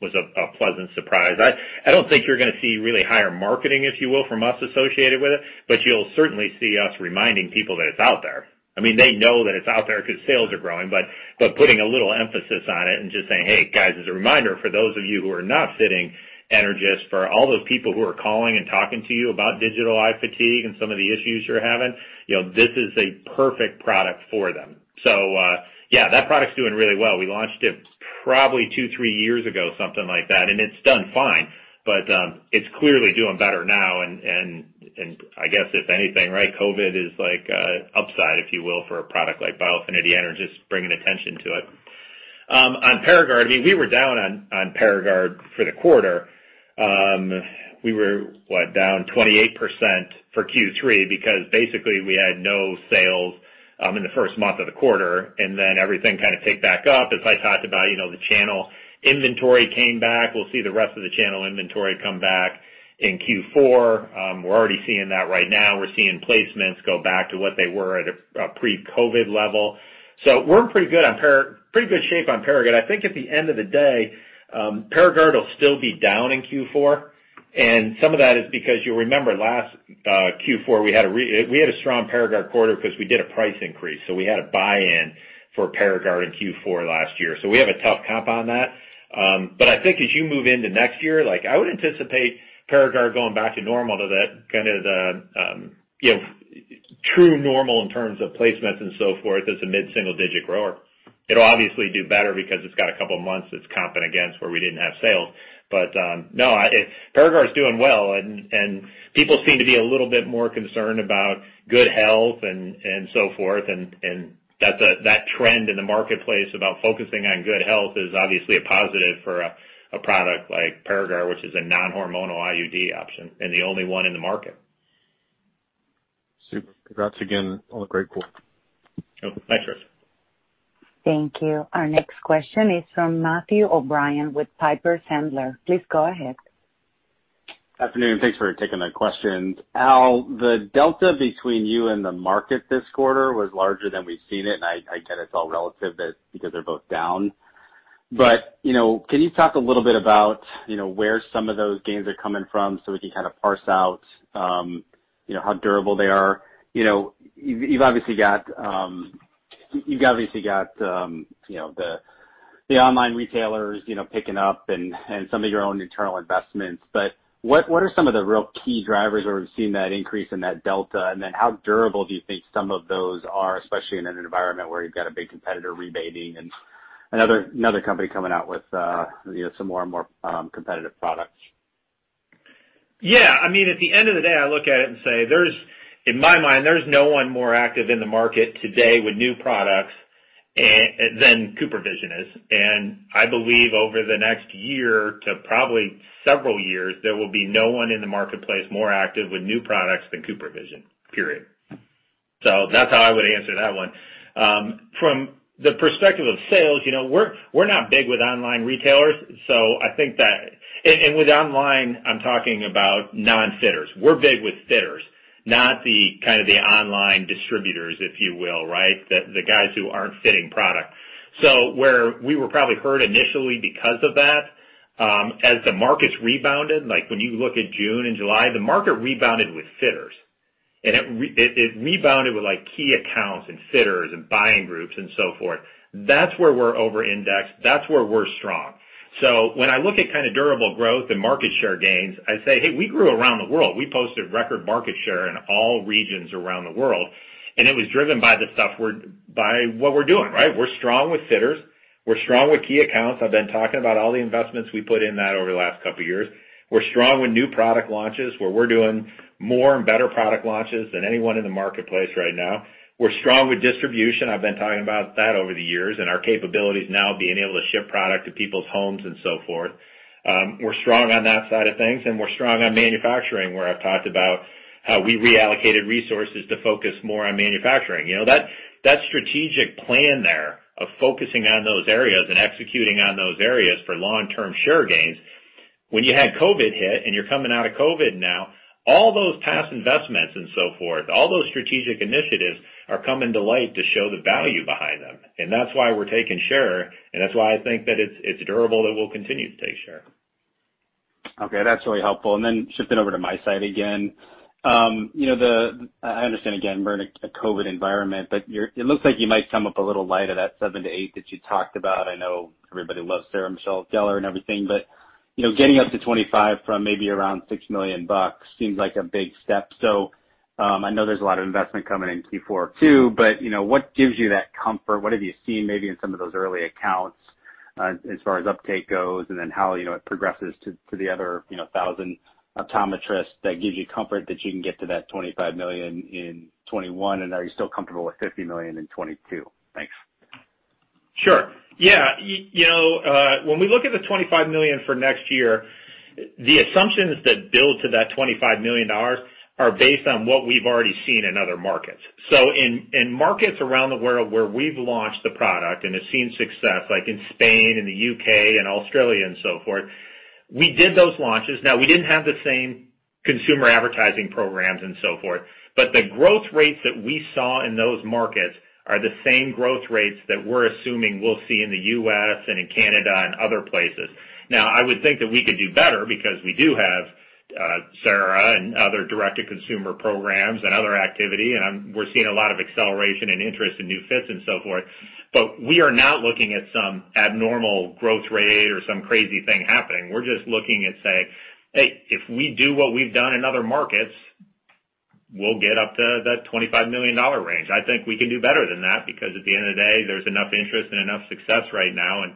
was a pleasant surprise. I don't think you're going to see really higher marketing, if you will, from us associated with it, but you'll certainly see us reminding people that it's out there. They know that it's out there because sales are growing, but putting a little emphasis on it and just saying, hey, guys, as a reminder, for those of you who are not fitting Energys, for all those people who are calling and talking to you about digital eye fatigue and some of the issues you're having, this is a perfect product for them. Yeah, that product's doing really well. We launched it probably two, three years ago, something like that, and it's done fine. It's clearly doing better now, and I guess if anything, right, COVID is like upside, if you will, for a product like Biofinity Energys, bringing attention to it. On Paragard, we were down on Paragard for the quarter. We were, what, down 28% for Q3 because basically we had no sales in the first month of the quarter, then everything kind of picked back up. As I talked about, the channel inventory came back. We'll see the rest of the channel inventory come back in Q4. We're already seeing that right now. We're seeing placements go back to what they were at a pre-COVID level. We're in pretty good shape on Paragard. I think at the end of the day, Paragard will still be down in Q4. Some of that is because you'll remember last Q4, we had a strong Paragard quarter because we did a price increase. We had a buy-in for Paragard in Q4 last year. We have a tough comp on that. I think as you move into next year, I would anticipate Paragard going back to normal, to the kind of true normal in terms of placements and so forth as a mid-single digit grower. It'll obviously do better because it's got a couple of months it's comping against where we didn't have sales. No, Paragard's doing well, and people seem to be a little bit more concerned about good health and so forth, and that trend in the marketplace about focusing on good health is obviously a positive for a product like Paragard, which is a non-hormonal IUD option and the only one in the market. Super. Congrats again on a great quarter. Thanks, Chris. Thank you. Our next question is from Matthew O'Brien with Piper Sandler. Please go ahead. Afternoon. Thanks for taking the questions. Al, the delta between you and the market this quarter was larger than we've seen it. I get it's all relative because they're both down. Can you talk a little bit about where some of those gains are coming from so we can kind of parse out how durable they are? You've obviously got the online retailers picking up and some of your own internal investments. What are some of the real key drivers where we've seen that increase in that delta, and then how durable do you think some of those are, especially in an environment where you've got a big competitor rebating and another company coming out with some more and more competitive products? Yeah. At the end of the day, I look at it and say, in my mind, there's no one more active in the market today with new products than CooperVision is. I believe over the next year to probably several years, there will be no one in the marketplace more active with new products than CooperVision, period. That's how I would answer that one. From the perspective of sales, we're not big with online retailers. With online, I'm talking about non-fitters. We're big with fitters, not the online distributors, if you will, right? The guys who aren't fitting product. Where we were probably hurt initially because of that, as the markets rebounded, like when you look at June and July, the market rebounded with fitters. It rebounded with key accounts and fitters and buying groups and so forth. That's where we're over-indexed. That's where we're strong. When I look at durable growth and market share gains, I say, hey, we grew around the world. We posted record market share in all regions around the world, and it was driven by what we're doing, right? We're strong with fitters. We're strong with key accounts. I've been talking about all the investments we put in that over the last couple of years. We're strong with new product launches, where we're doing more and better product launches than anyone in the marketplace right now. We're strong with distribution. I've been talking about that over the years, and our capabilities now being able to ship product to people's homes and so forth. We're strong on that side of things, and we're strong on manufacturing, where I've talked about how we reallocated resources to focus more on manufacturing. That strategic plan there of focusing on those areas and executing on those areas for long-term share gains, when you had COVID hit and you're coming out of COVID now, all those past investments and so forth, all those strategic initiatives are coming to light to show the value behind them. That's why we're taking share, and that's why I think that it's durable, and we'll continue to take share. Okay. That's really helpful. Shifting over to MiSight again. I understand, again, we're in a COVID environment, but it looks like you might come up a little light of that seven to eight that you talked about. I know everybody loves Sarah Michelle Gellar and everything, but getting up to 25 from maybe around $6 million seems like a big step. I know there's a lot of investment coming in Q4, too, but what gives you that comfort? What have you seen maybe in some of those early accounts as far as uptake goes, and then how it progresses to the other 1,000 optometrists that gives you comfort that you can get to that $25 million in 2021, and are you still comfortable with $50 million in 2022? Thanks. Sure. Yeah. When we look at the $25 million for next year, the assumptions that build to that $25 million are based on what we've already seen in other markets. In markets around the world where we've launched the product and it's seen success, like in Spain and the U.K. and Australia and so forth, we did those launches. We didn't have the same consumer advertising programs and so forth, but the growth rates that we saw in those markets are the same growth rates that we're assuming we'll see in the U.S. and in Canada and other places. I would think that we could do better because we do have Sarah and other direct-to-consumer programs and other activity, and we're seeing a lot of acceleration and interest in New Fits and so forth. We are not looking at some abnormal growth rate or some crazy thing happening. We're just looking at saying, hey, if we do what we've done in other markets, we'll get up to that $25 million range. I think we can do better than that because at the end of the day, there's enough interest and enough success right now, and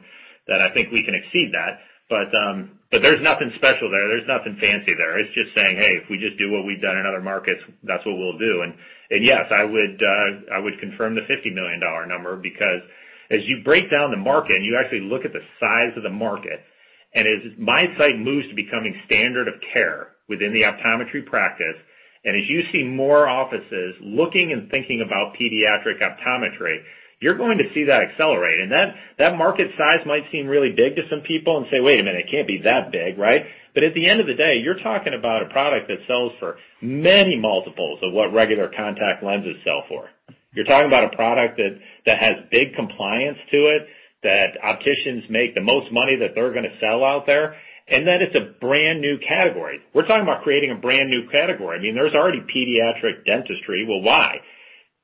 that I think we can exceed that. There's nothing special there. There's nothing fancy there. It's just saying, hey, if we just do what we've done in other markets, that's what we'll do. Yes, I would confirm the $50 million number because as you break down the market and you actually look at the size of the market, as MiSight moves to becoming standard of care within the optometry practice, as you see more offices looking and thinking about pediatric optometry, you're going to see that accelerate. That market size might seem really big to some people and say, wait a minute, it can't be that big, right? At the end of the day, you're talking about a product that sells for many multiples of what regular contact lenses sell for. You're talking about a product that has big compliance to it, that opticians make the most money that they're going to sell out there, and that it's a brand-new category. We're talking about creating a brand-new category. There's already pediatric dentistry. Well, why?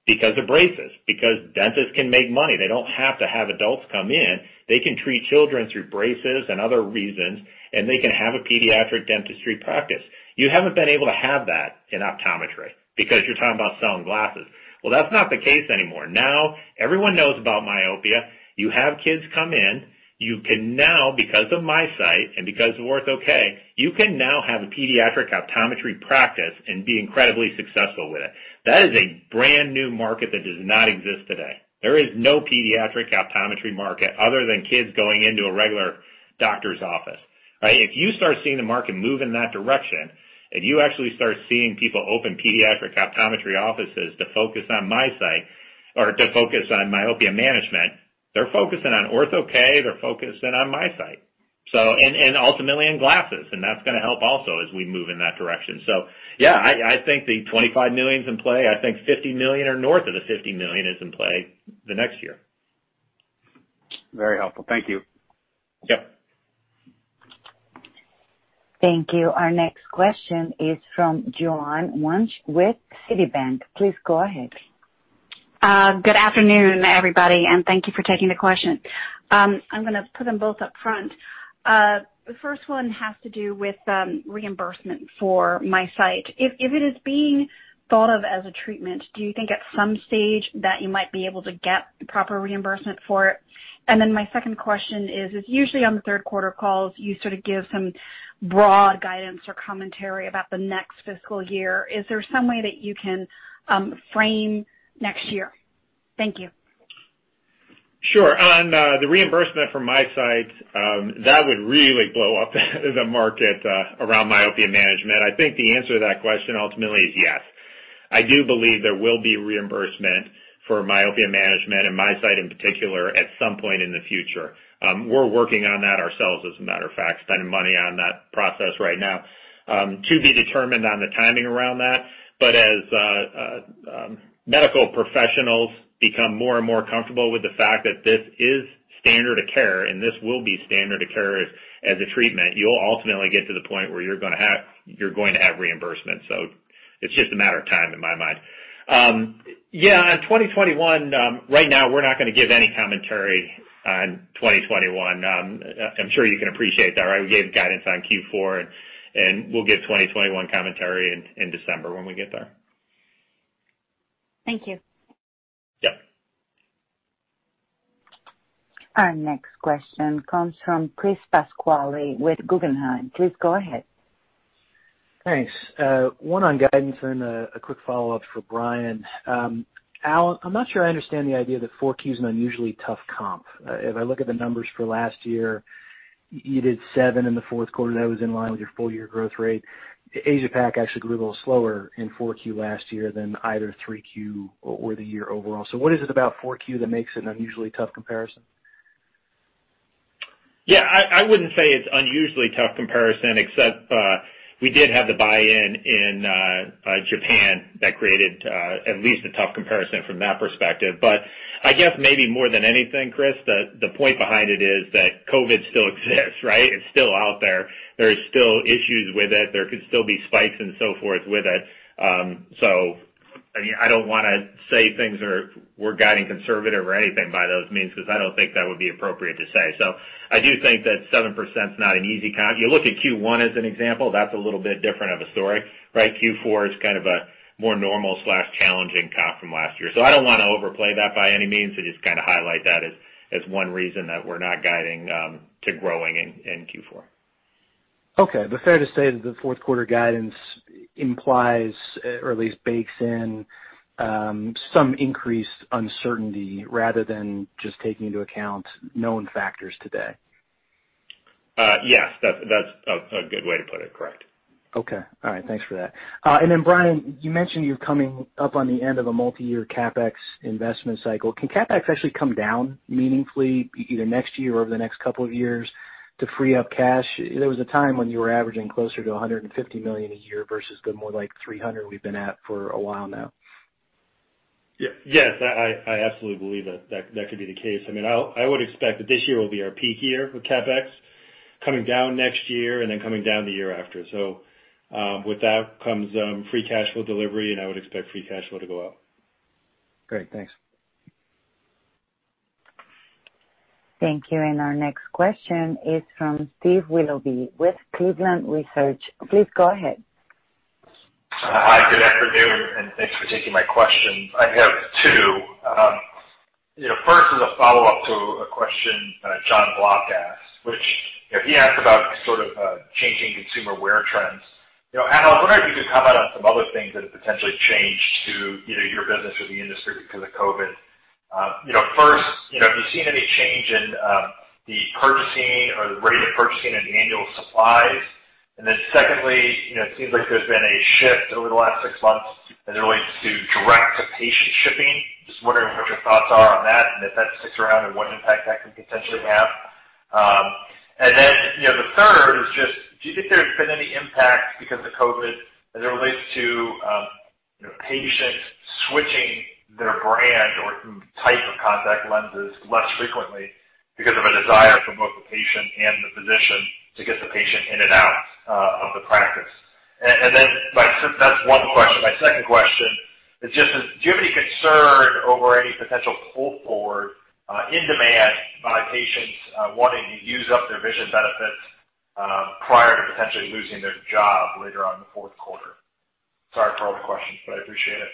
Because of braces, because dentists can make money. They don't have to have adults come in. They can treat children through braces and other reasons, and they can have a pediatric dentistry practice. You haven't been able to have that in optometry because you're talking about selling glasses. Well, that's not the case anymore. Now, everyone knows about myopia. You have kids come in. You can now, because of MiSight and because of Ortho-K, you can now have a pediatric optometry practice and be incredibly successful with it. That is a brand-new market that does not exist today. There is no pediatric optometry market other than kids going into a regular doctor's office, right? If you start seeing the market move in that direction, and you actually start seeing people open pediatric optometry offices to focus on MiSight or to focus on myopia management, they're focusing on Ortho-K, they're focusing on MiSight, and ultimately on glasses, and that's going to help also as we move in that direction. Yeah, I think the $25 million's in play. I think $50 million or north of the $50 million is in play the next year. Very helpful. Thank you. Yep. Thank you. Our next question is from Joanne Wuensch with Citigroup. Please go ahead. Good afternoon, everybody. Thank you for taking the question. I'm going to put them both up front. The first one has to do with reimbursement for MiSight. If it is being thought of as a treatment, do you think at some stage that you might be able to get proper reimbursement for it? My second question is, usually on the Q3 calls, you sort of give some broad guidance or commentary about the next fiscal year. Is there some way that you can frame next year? Thank you. Sure. On the reimbursement for MiSight, that would really blow up the market around myopia management. I think the answer to that question ultimately is yes, I do believe there will be reimbursement for myopia management and MiSight in particular, at some point in the future. We're working on that ourselves as a matter of fact, spending money on that process right now. To be determined on the timing around that, as medical professionals become more and more comfortable with the fact that this is standard of care, and this will be standard of care as a treatment, you'll ultimately get to the point where you're going to have reimbursement. It's just a matter of time in my mind. Yeah. On 2021, right now we're not going to give any commentary on 2021. I'm sure you can appreciate that, right? We gave guidance on Q4, and we'll give 2021 commentary in December when we get there. Thank you. Yep. Our next question comes from Chris Pasquale with Guggenheim. Please go ahead. Thanks. One on guidance and a quick follow-up for Brian. Al, I'm not sure I understand the idea that Q4 is an unusually tough comp. If I look at the numbers for last year, you did seven in the Q4. That was in line with your full-year growth rate. Asia Pac actually grew a little slower in Q4 last year than either Q3 or the year overall. What is it about Q4 that makes it an unusually tough comparison? Yeah, I wouldn't say it's unusually tough comparison except, we did have the buy-in in Japan that created at least a tough comparison from that perspective. I guess maybe more than anything, Chris, the point behind it is that COVID still exists, right? It's still out there. There is still issues with it. There could still be spikes and so forth with it. I don't want to say we're guiding conservative or anything by those means, because I don't think that would be appropriate to say. I do think that 7% is not an easy comp. You look at Q1 as an example, that's a little bit different of a story, right? Q4 is kind of a more normal/challenging comp from last year. I don't want to overplay that by any means and just kind of highlight that as one reason that we're not guiding to growing in Q4. Okay. Fair to say that the Q4 guidance implies or at least bakes in some increased uncertainty rather than just taking into account known factors today. Yes. That's a good way to put it. Correct. Okay. All right. Thanks for that. Brian, you mentioned you're coming up on the end of a multi-year CapEx investment cycle. Can CapEx actually come down meaningfully either next year or over the next couple of years to free up cash? There was a time when you were averaging closer to $150 million a year versus the more like $300 we've been at for a while now. Yes. I absolutely believe that that could be the case. I would expect that this year will be our peak year with CapEx coming down next year and then coming down the year after. With that comes free cash flow delivery, and I would expect free cash flow to go up. Great. Thanks. Thank you. Our next question is from Steve Willoughby with Cleveland Research. Please go ahead. Hi, good afternoon, and thanks for taking my questions. I have two. First is a follow-up to a question Jon Block asked, which he asked about sort of changing consumer wear trends. Al, I wonder if you could comment on some other things that have potentially changed to either your business or the industry because of COVID. First, have you seen any change in the purchasing or the rate of purchasing of annual supplies? Secondly, it seems like there's been a shift over the last six months as it relates to direct-to-patient shipping. Just wondering what your thoughts are on that, and if that sticks around and what impact that could potentially have. The third is just, do you think there's been any impact because of COVID as it relates to patients switching their brand or type of contact lenses less frequently because of a desire for both the patient and the physician to get the patient in and out of the practice? That's one question. My second question is just, do you have any concern over any potential pull forward in demand by patients wanting to use up their vision benefits prior to potentially losing their job later on in the Q4? Sorry for all the questions, I appreciate it.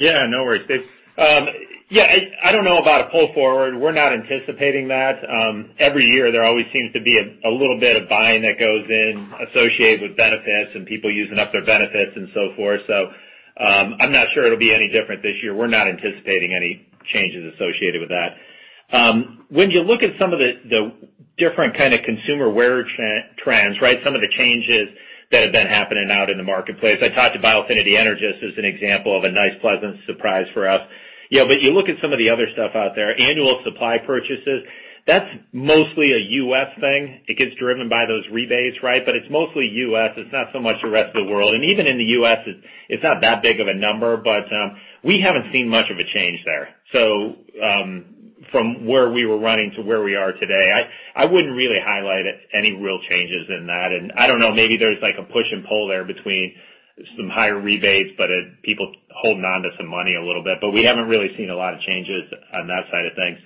Yeah, no worries, Steve. I don't know about a pull forward. We're not anticipating that. Every year there always seems to be a little bit of buying that goes in associated with benefits and people using up their benefits and so forth. I'm not sure it'll be any different this year. We're not anticipating any changes associated with that. When you look at some of the different kind of consumer wear trends, right, some of the changes that have been happening out in the marketplace, I talked about Energys as an example of a nice pleasant surprise for us. You look at some of the other stuff out there, annual supply purchases, that's mostly a U.S. thing. It gets driven by those rebates, right? It's mostly U.S. It's not so much the rest of the world. Even in the U.S., it's not that big of a number, but we haven't seen much of a change there. From where we were running to where we are today, I wouldn't really highlight any real changes in that. I don't know, maybe there's like a push and pull there between some higher rebates, but people holding on to some money a little bit. We haven't really seen a lot of changes on that side of things.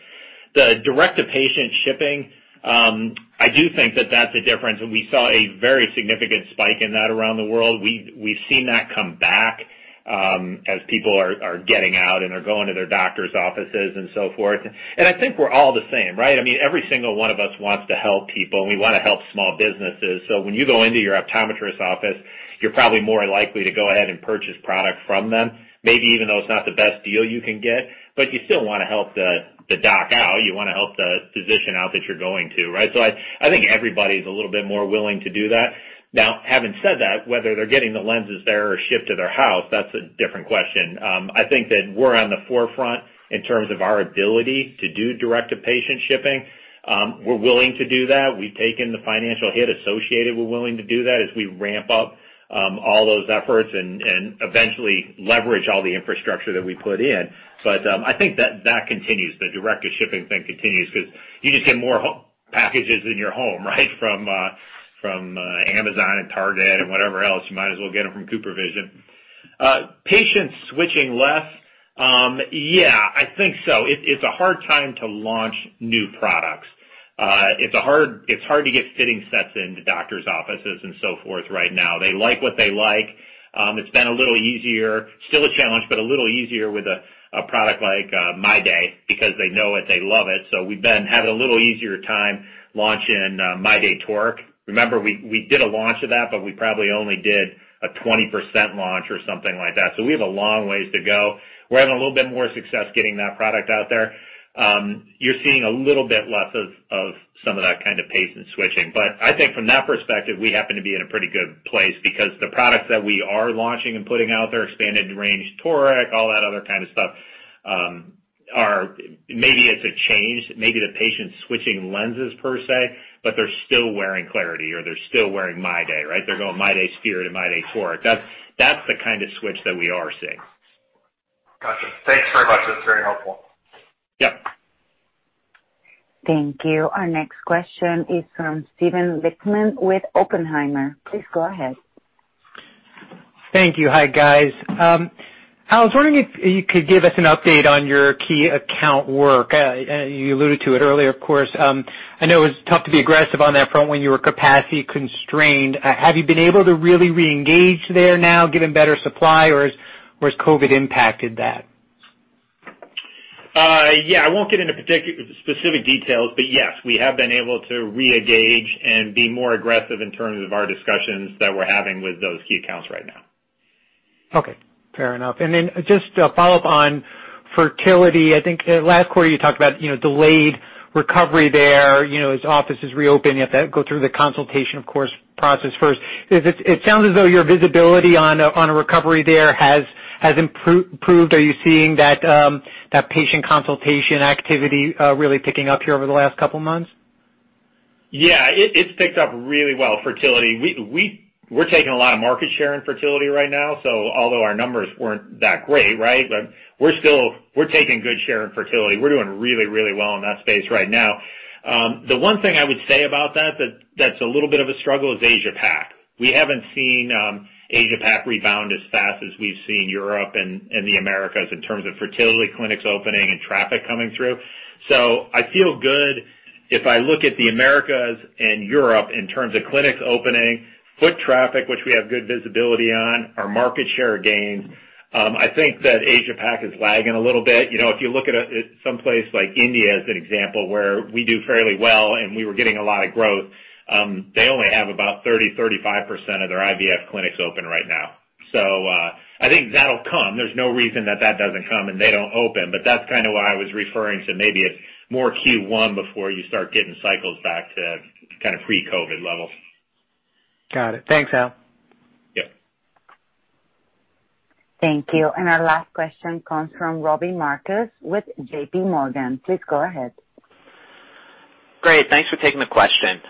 The direct-to-patient shipping, I do think that that's a difference, and we saw a very significant spike in that around the world. We've seen that come back as people are getting out and are going to their doctor's offices and so forth. I think we're all the same, right? Every single one of us wants to help people, and we want to help small businesses. When you go into your optometrist office, you're probably more likely to go ahead and purchase product from them. Maybe even though it's not the best deal you can get, but you still want to help the doc out. You want to help the physician out that you're going to, right? I think everybody's a little bit more willing to do that. Now, having said that, whether they're getting the lenses there or shipped to their house, that's a different question. I think that we're on the forefront in terms of our ability to do direct-to-patient shipping. We're willing to do that. We've taken the financial hit associated with willing to do that as we ramp up all those efforts and eventually leverage all the infrastructure that we put in. I think that continues. The direct-to-shipping thing continues because you just get more packages in your home from Amazon and Target and whatever else, you might as well get them from CooperVision. Patients switching less. Yeah, I think so. It's a hard time to launch new products. It's hard to get fitting sets into doctor's offices and so forth right now. They like what they like. It's been a little easier, still a challenge, but a little easier with a product like MyDay because they know it, they love it. We've been having a little easier time launching MyDay toric. Remember, we did a launch of that, but we probably only did a 20% launch or something like that. We have a long ways to go. We're having a little bit more success getting that product out there. You're seeing a little bit less of some of that kind of patient switching. I think from that perspective, we happen to be in a pretty good place because the products that we are launching and putting out there, expanded range toric, all that other kind of stuff, maybe it's a change, maybe the patient's switching lenses per se, but they're still wearing clariti or they're still wearing MyDay, right? They're going MyDay sphere to MyDay toric. That's the kind of switch that we are seeing. Got you. Thanks very much. That's very helpful. Yep. Thank you. Our next question is from Steven Lichtman with Oppenheimer. Please go ahead. Thank you. Hi, guys. Al, I was wondering if you could give us an update on your key account work. You alluded to it earlier, of course. I know it was tough to be aggressive on that front when you were capacity constrained. Have you been able to really reengage there now, given better supply, or has COVID impacted that? Yeah, I won't get into specific details, but yes, we have been able to reengage and be more aggressive in terms of our discussions that we're having with those key accounts right now. Okay. Fair enough. Just to follow up on fertility, I think last quarter you talked about delayed recovery there, as offices reopen, you have to go through the consultation, of course, process first. It sounds as though your visibility on a recovery there has improved. Are you seeing that patient consultation activity really picking up here over the last couple of months? Yeah, it's picked up really well, fertility. We're taking a lot of market share in fertility right now. Although our numbers weren't that great, right? We're taking a good share in fertility. We're doing really well in that space right now. The one thing I would say about that's a little bit of a struggle is Asia-Pac. We haven't seen Asia-Pac rebound as fast as we've seen Europe and the Americas in terms of fertility clinics opening and traffic coming through. I feel good if I look at the Americas and Europe in terms of clinics opening, foot traffic, which we have good visibility on, our market share gains. I think that Asia-Pac is lagging a little bit. You look at someplace like India as an example, where we do fairly well and we were getting a lot of growth, they only have about 30, 35% of their IVF clinics open right now. I think that'll come. There's no reason that that doesn't come and they don't open. That's kind of why I was referring to maybe it's more Q1 before you start getting cycles back to kind of pre-COVID levels. Got it. Thanks, Al. Yep. Thank you. Our last question comes from Robbie Marcus with JPMorgan. Please go ahead. Great. Thanks for taking the question.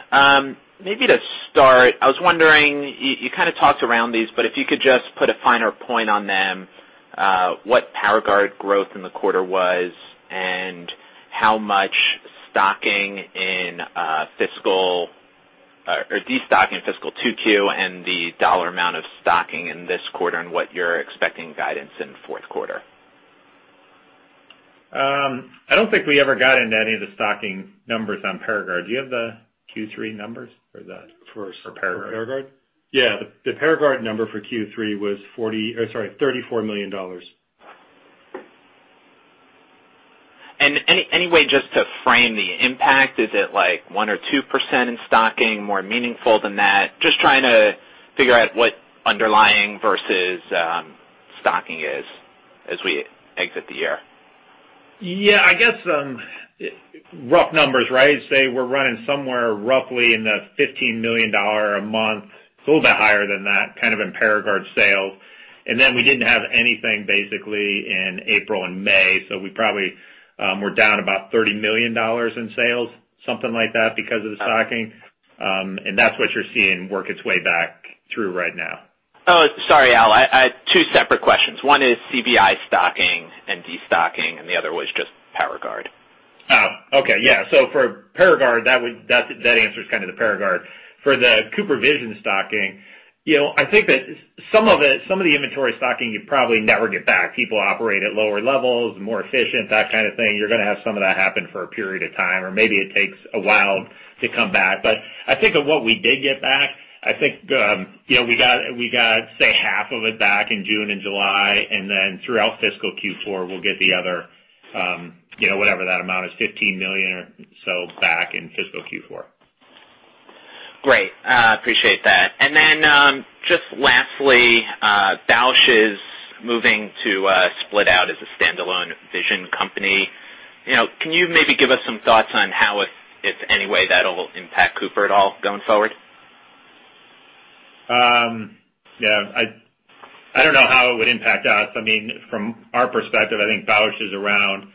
Maybe to start, I was wondering, you kind of talked around these, but if you could just put a finer point on them, what Paragard growth in the quarter was and how much destock in fiscal Q2 and the dollar amount of stocking in this quarter and what you're expecting guidance in Q4. I don't think we ever got into any of the stocking numbers on Paragard. Do you have the Q3 numbers for that? For Paragard? Yeah. The PowerGuard number for Q3 was 40, or sorry, $34 million. Any way just to frame the impact, is it like 1% or 2% in stocking, more meaningful than that? Just trying to figure out what underlying versus stocking is as we exit the year. Yeah, I guess, rough numbers, right? Say we're running somewhere roughly in the $15 million a month, a little bit higher than that, kind of in Paragard sales. Then we didn't have anything basically in April and May, so we probably were down about $30 million in sales, something like that, because of the stocking. That's what you're seeing work its way back through right now. Oh, sorry, Al, two separate questions. One is CVI stocking and destocking, and the other was just Paragard. Okay. For Paragard, that answers kind of the Paragard. For the CooperVision stocking. I think that some of the inventory stocking you'd probably never get back. People operate at lower levels, more efficient, that kind of thing. You're going to have some of that happen for a period of time, or maybe it takes a while to come back. I think of what we did get back, I think we got, say, half of it back in June and July, and then throughout fiscal Q4, we'll get the other, whatever that amount is, $15 million or so back in fiscal Q4. Great. Appreciate that. Just lastly, Bausch is moving to split out as a standalone vision company. Can you maybe give us some thoughts on how, if any way, that'll impact Cooper at all going forward? Yeah. I don't know how it would impact us. From our perspective, I think Bausch is around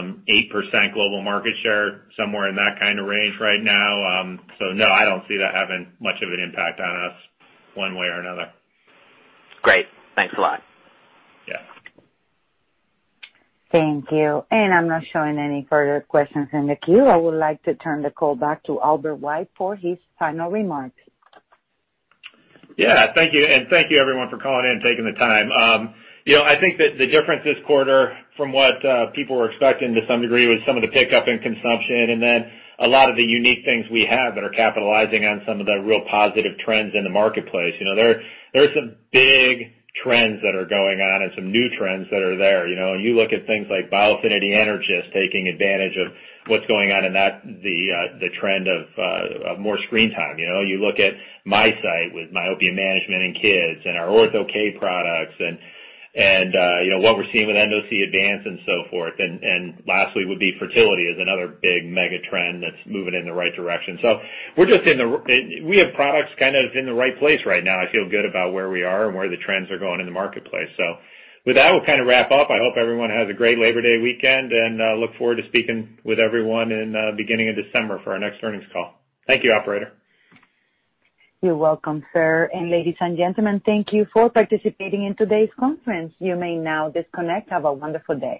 8% global market share, somewhere in that kind of range right now. No, I don't see that having much of an impact on us one way or another. Great. Thanks a lot. Yeah. Thank you. I'm not showing any further questions in the queue. I would like to turn the call back to Albert White for his final remarks. Yeah, thank you, and thank you everyone for calling in, taking the time. I think that the difference this quarter from what people were expecting, to some degree, was some of the pickup in consumption, and then a lot of the unique things we have that are capitalizing on some of the real positive trends in the marketplace. There's some big trends that are going on and some new trends that are there. You look at things like Biofinity Energys taking advantage of what's going on in the trend of more screen time. You look at MiSight with myopia management in kids and our Ortho-K products and what we're seeing with Endosee Advance and so forth. Lastly, fertility is another big mega trend that's moving in the right direction. We have products kind of in the right place right now. I feel good about where we are and where the trends are going in the marketplace. With that, we'll kind of wrap up. I hope everyone has a great Labor Day weekend, and I look forward to speaking with everyone in the beginning of December for our next earnings call. Thank you, operator. You're welcome, sir. Ladies and gentlemen, thank you for participating in today's conference. You may now disconnect. Have a wonderful day.